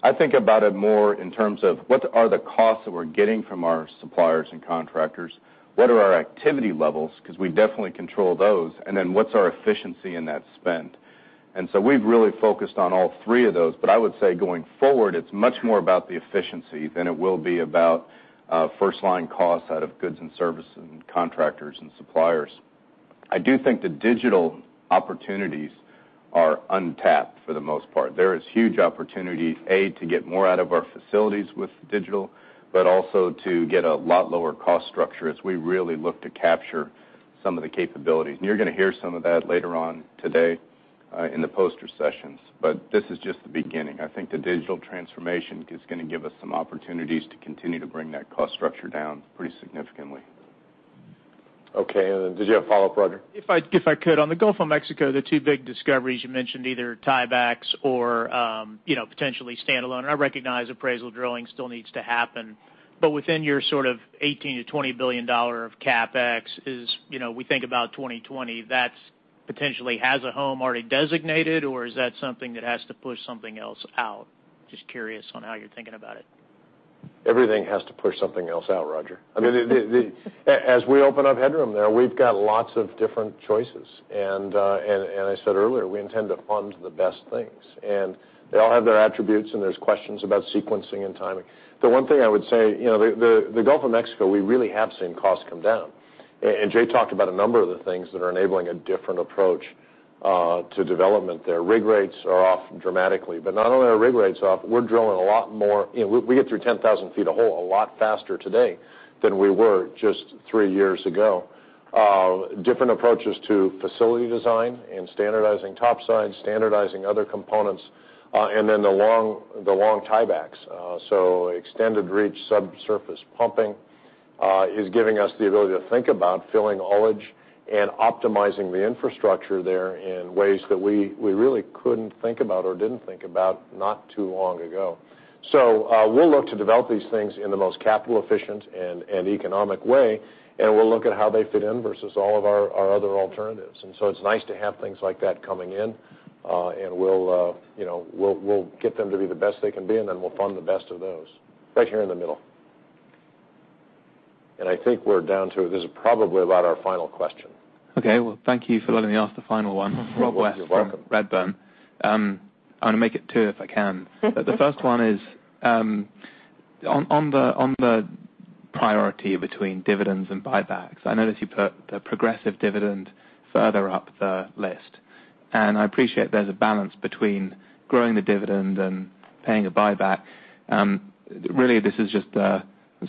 [SPEAKER 3] I think about it more in terms of what are the costs that we're getting from our suppliers and contractors? What are our activity levels? Because we definitely control those. Then what's our efficiency in that spend? We've really focused on all three of those. I would say going forward, it's much more about the efficiency than it will be about first-line costs out of goods and services and contractors and suppliers. I do think the digital opportunities are untapped for the most part. There is huge opportunity, A, to get more out of our facilities with digital, but also to get a lot lower cost structure as we really look to capture some of the capabilities. You're going to hear some of that later on today in the poster sessions. This is just the beginning. I think the digital transformation is going to give us some opportunities to continue to bring that cost structure down pretty significantly.
[SPEAKER 2] Okay, then did you have a follow-up, Roger?
[SPEAKER 17] If I could. On the Gulf of Mexico, the two big discoveries you mentioned, either tiebacks or potentially standalone. I recognize appraisal drilling still needs to happen. Within your sort of $18 billion-$20 billion of CapEx is, we think about 2020, that's Potentially has a home already designated, or is that something that has to push something else out? Just curious on how you're thinking about it.
[SPEAKER 2] Everything has to push something else out, Roger. As we open up headroom there, we've got lots of different choices. I said earlier, we intend to fund the best things. They all have their attributes and there's questions about sequencing and timing. The one thing I would say, the Gulf of Mexico, we really have seen costs come down. Jay talked about a number of the things that are enabling a different approach to development there. Rig rates are off dramatically. Not only are rig rates off, we get through 10,000 feet of hole a lot faster today than we were just three years ago. Different approaches to facility design and standardizing top sides, standardizing other components, then the long tiebacks. Extended reach subsurface pumping is giving us the ability to think about filling ullage and optimizing the infrastructure there in ways that we really couldn't think about or didn't think about not too long ago. We'll look to develop these things in the most capital efficient and economic way, and we'll look at how they fit in versus all of our other alternatives. It's nice to have things like that coming in. We'll get them to be the best they can be, and then we'll fund the best of those. Right here in the middle. I think we're down to, this is probably about our final question.
[SPEAKER 18] Okay. Well, thank you for letting me ask the final one.
[SPEAKER 2] You're welcome.
[SPEAKER 18] Rob West from Redburn. I'm going to make it two if I can. The first one is, on the priority between dividends and buybacks, I notice you put the progressive dividend further up the list, and I appreciate there's a balance between growing the dividend and paying a buyback. Really, this is just a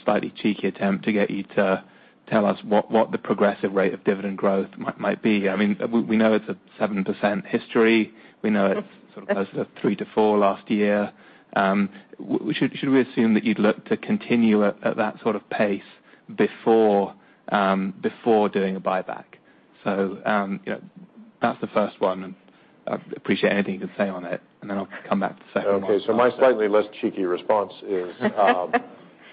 [SPEAKER 18] slightly cheeky attempt to get you to tell us what the progressive rate of dividend growth might be. We know it's a 7% history. We know it's sort of close to 3-4 last year. Should we assume that you'd look to continue at that sort of pace before doing a buyback? That's the first one and I'd appreciate anything you can say on it, and then I'll come back to the second one.
[SPEAKER 2] Okay. My slightly less cheeky response is,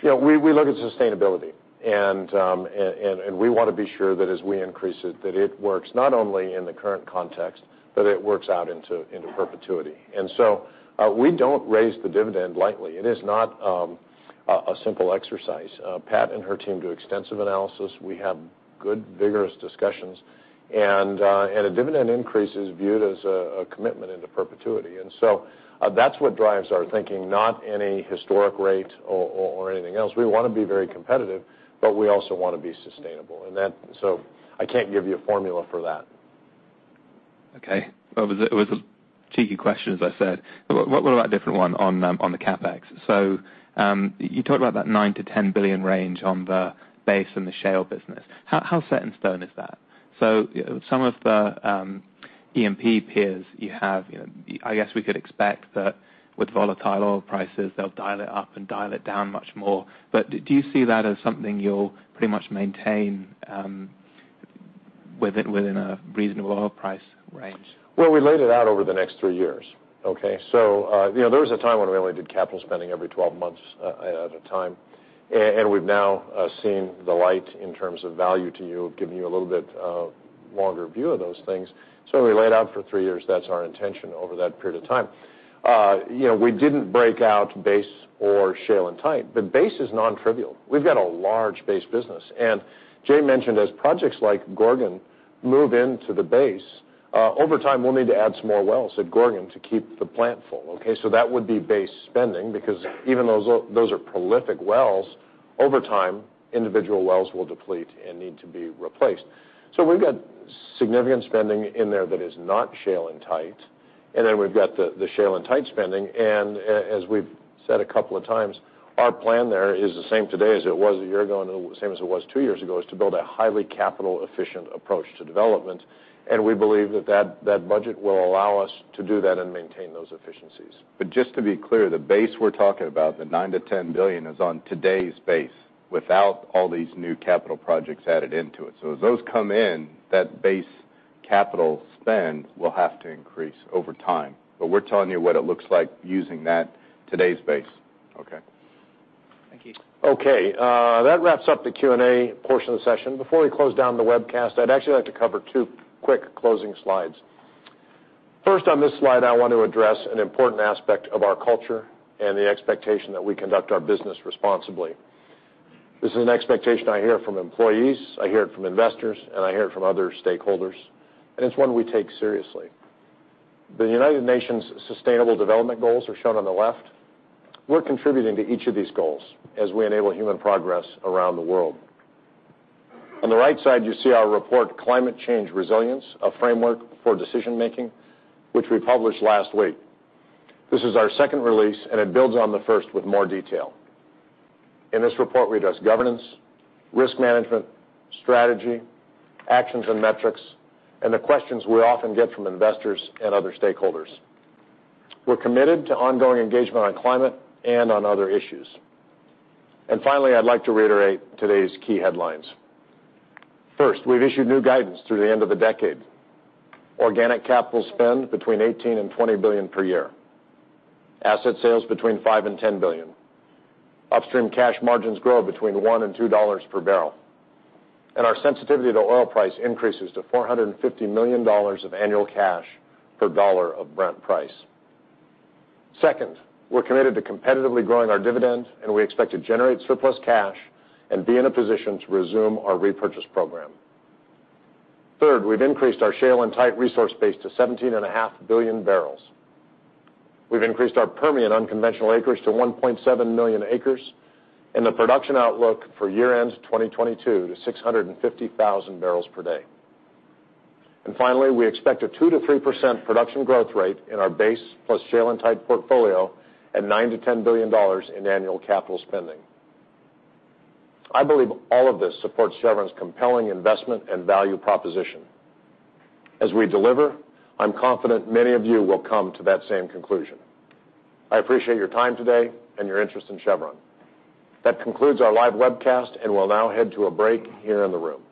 [SPEAKER 2] we look at sustainability. We want to be sure that as we increase it, that it works not only in the current context, but it works out into perpetuity. We don't raise the dividend lightly. It is not a simple exercise. Pat and her team do extensive analysis. We have good, vigorous discussions. A dividend increase is viewed as a commitment into perpetuity. That's what drives our thinking, not any historic rate or anything else. We want to be very competitive, but we also want to be sustainable. I can't give you a formula for that.
[SPEAKER 18] Okay. Well, it was a cheeky question, as I said. What about a different one on the CapEx? You talked about that $9 billion-$10 billion range on the base and the shale business. How set in stone is that? Some of the E&P peers you have, I guess we could expect that with volatile oil prices, they'll dial it up and dial it down much more. Do you see that as something you'll pretty much maintain within a reasonable oil price range?
[SPEAKER 2] Well, we laid it out over the next three years. Okay? There was a time when we only did capital spending every 12 months at a time. We've now seen the light in terms of value to you, of giving you a little bit longer view of those things. When we lay it out for three years, that's our intention over that period of time. We didn't break out base or shale and tight, but base is non-trivial. We've got a large base business. Jay mentioned as projects like Gorgon move into the base, over time, we'll need to add some more wells at Gorgon to keep the plant full, okay? That would be base spending, because even those are prolific wells. Over time, individual wells will deplete and need to be replaced. We've got significant spending in there that is not shale and tight, and then we've got the shale and tight spending. As we've said a couple of times, our plan there is the same today as it was a year ago, and same as it was two years ago, is to build a highly capital efficient approach to development. We believe that budget will allow us to do that and maintain those efficiencies.
[SPEAKER 3] Just to be clear, the base we're talking about, the $9 billion-$10 billion is on today's base without all these new capital projects added into it. As those come in, that base capital spend will have to increase over time. We're telling you what it looks like using that today's base.
[SPEAKER 18] Thank you.
[SPEAKER 2] That wraps up the Q&A portion of the session. Before we close down the webcast, I'd actually like to cover two quick closing slides. First on this slide, I want to address an important aspect of our culture and the expectation that we conduct our business responsibly. This is an expectation I hear from employees, I hear it from investors, and I hear it from other stakeholders, and it's one we take seriously. The United Nations Sustainable Development Goals are shown on the left. We're contributing to each of these goals as we enable human progress around the world. On the right side, you see our report, Climate Change Resilience: A Framework for Decision Making, which we published last week. This is our second release, and it builds on the first with more detail. In this report, we address governance, risk management, strategy, actions and metrics, and the questions we often get from investors and other stakeholders. Finally, I'd like to reiterate today's key headlines. First, we've issued new guidance through the end of the decade. Organic capital spend between $18 billion and $20 billion per year. Asset sales between $5 billion and $10 billion. Upstream cash margins grow between $1 and $2 per barrel. Our sensitivity to oil price increases to $450 million of annual cash per dollar of Brent price. Second, we're committed to competitively growing our dividend, and we expect to generate surplus cash and be in a position to resume our repurchase program. Third, we've increased our shale and tight resource base to 17.5 billion barrels. We've increased our Permian unconventional acreage to 1.7 million acres, the production outlook for year-end 2022 to 650,000 barrels per day. Finally, we expect a 2%-3% production growth rate in our base plus shale and tight portfolio at $9 billion-$10 billion in annual capital spending. I believe all of this supports Chevron's compelling investment and value proposition. As we deliver, I'm confident many of you will come to that same conclusion. I appreciate your time today and your interest in Chevron. That concludes our live webcast, and we'll now head to a break here in the room. Thank you.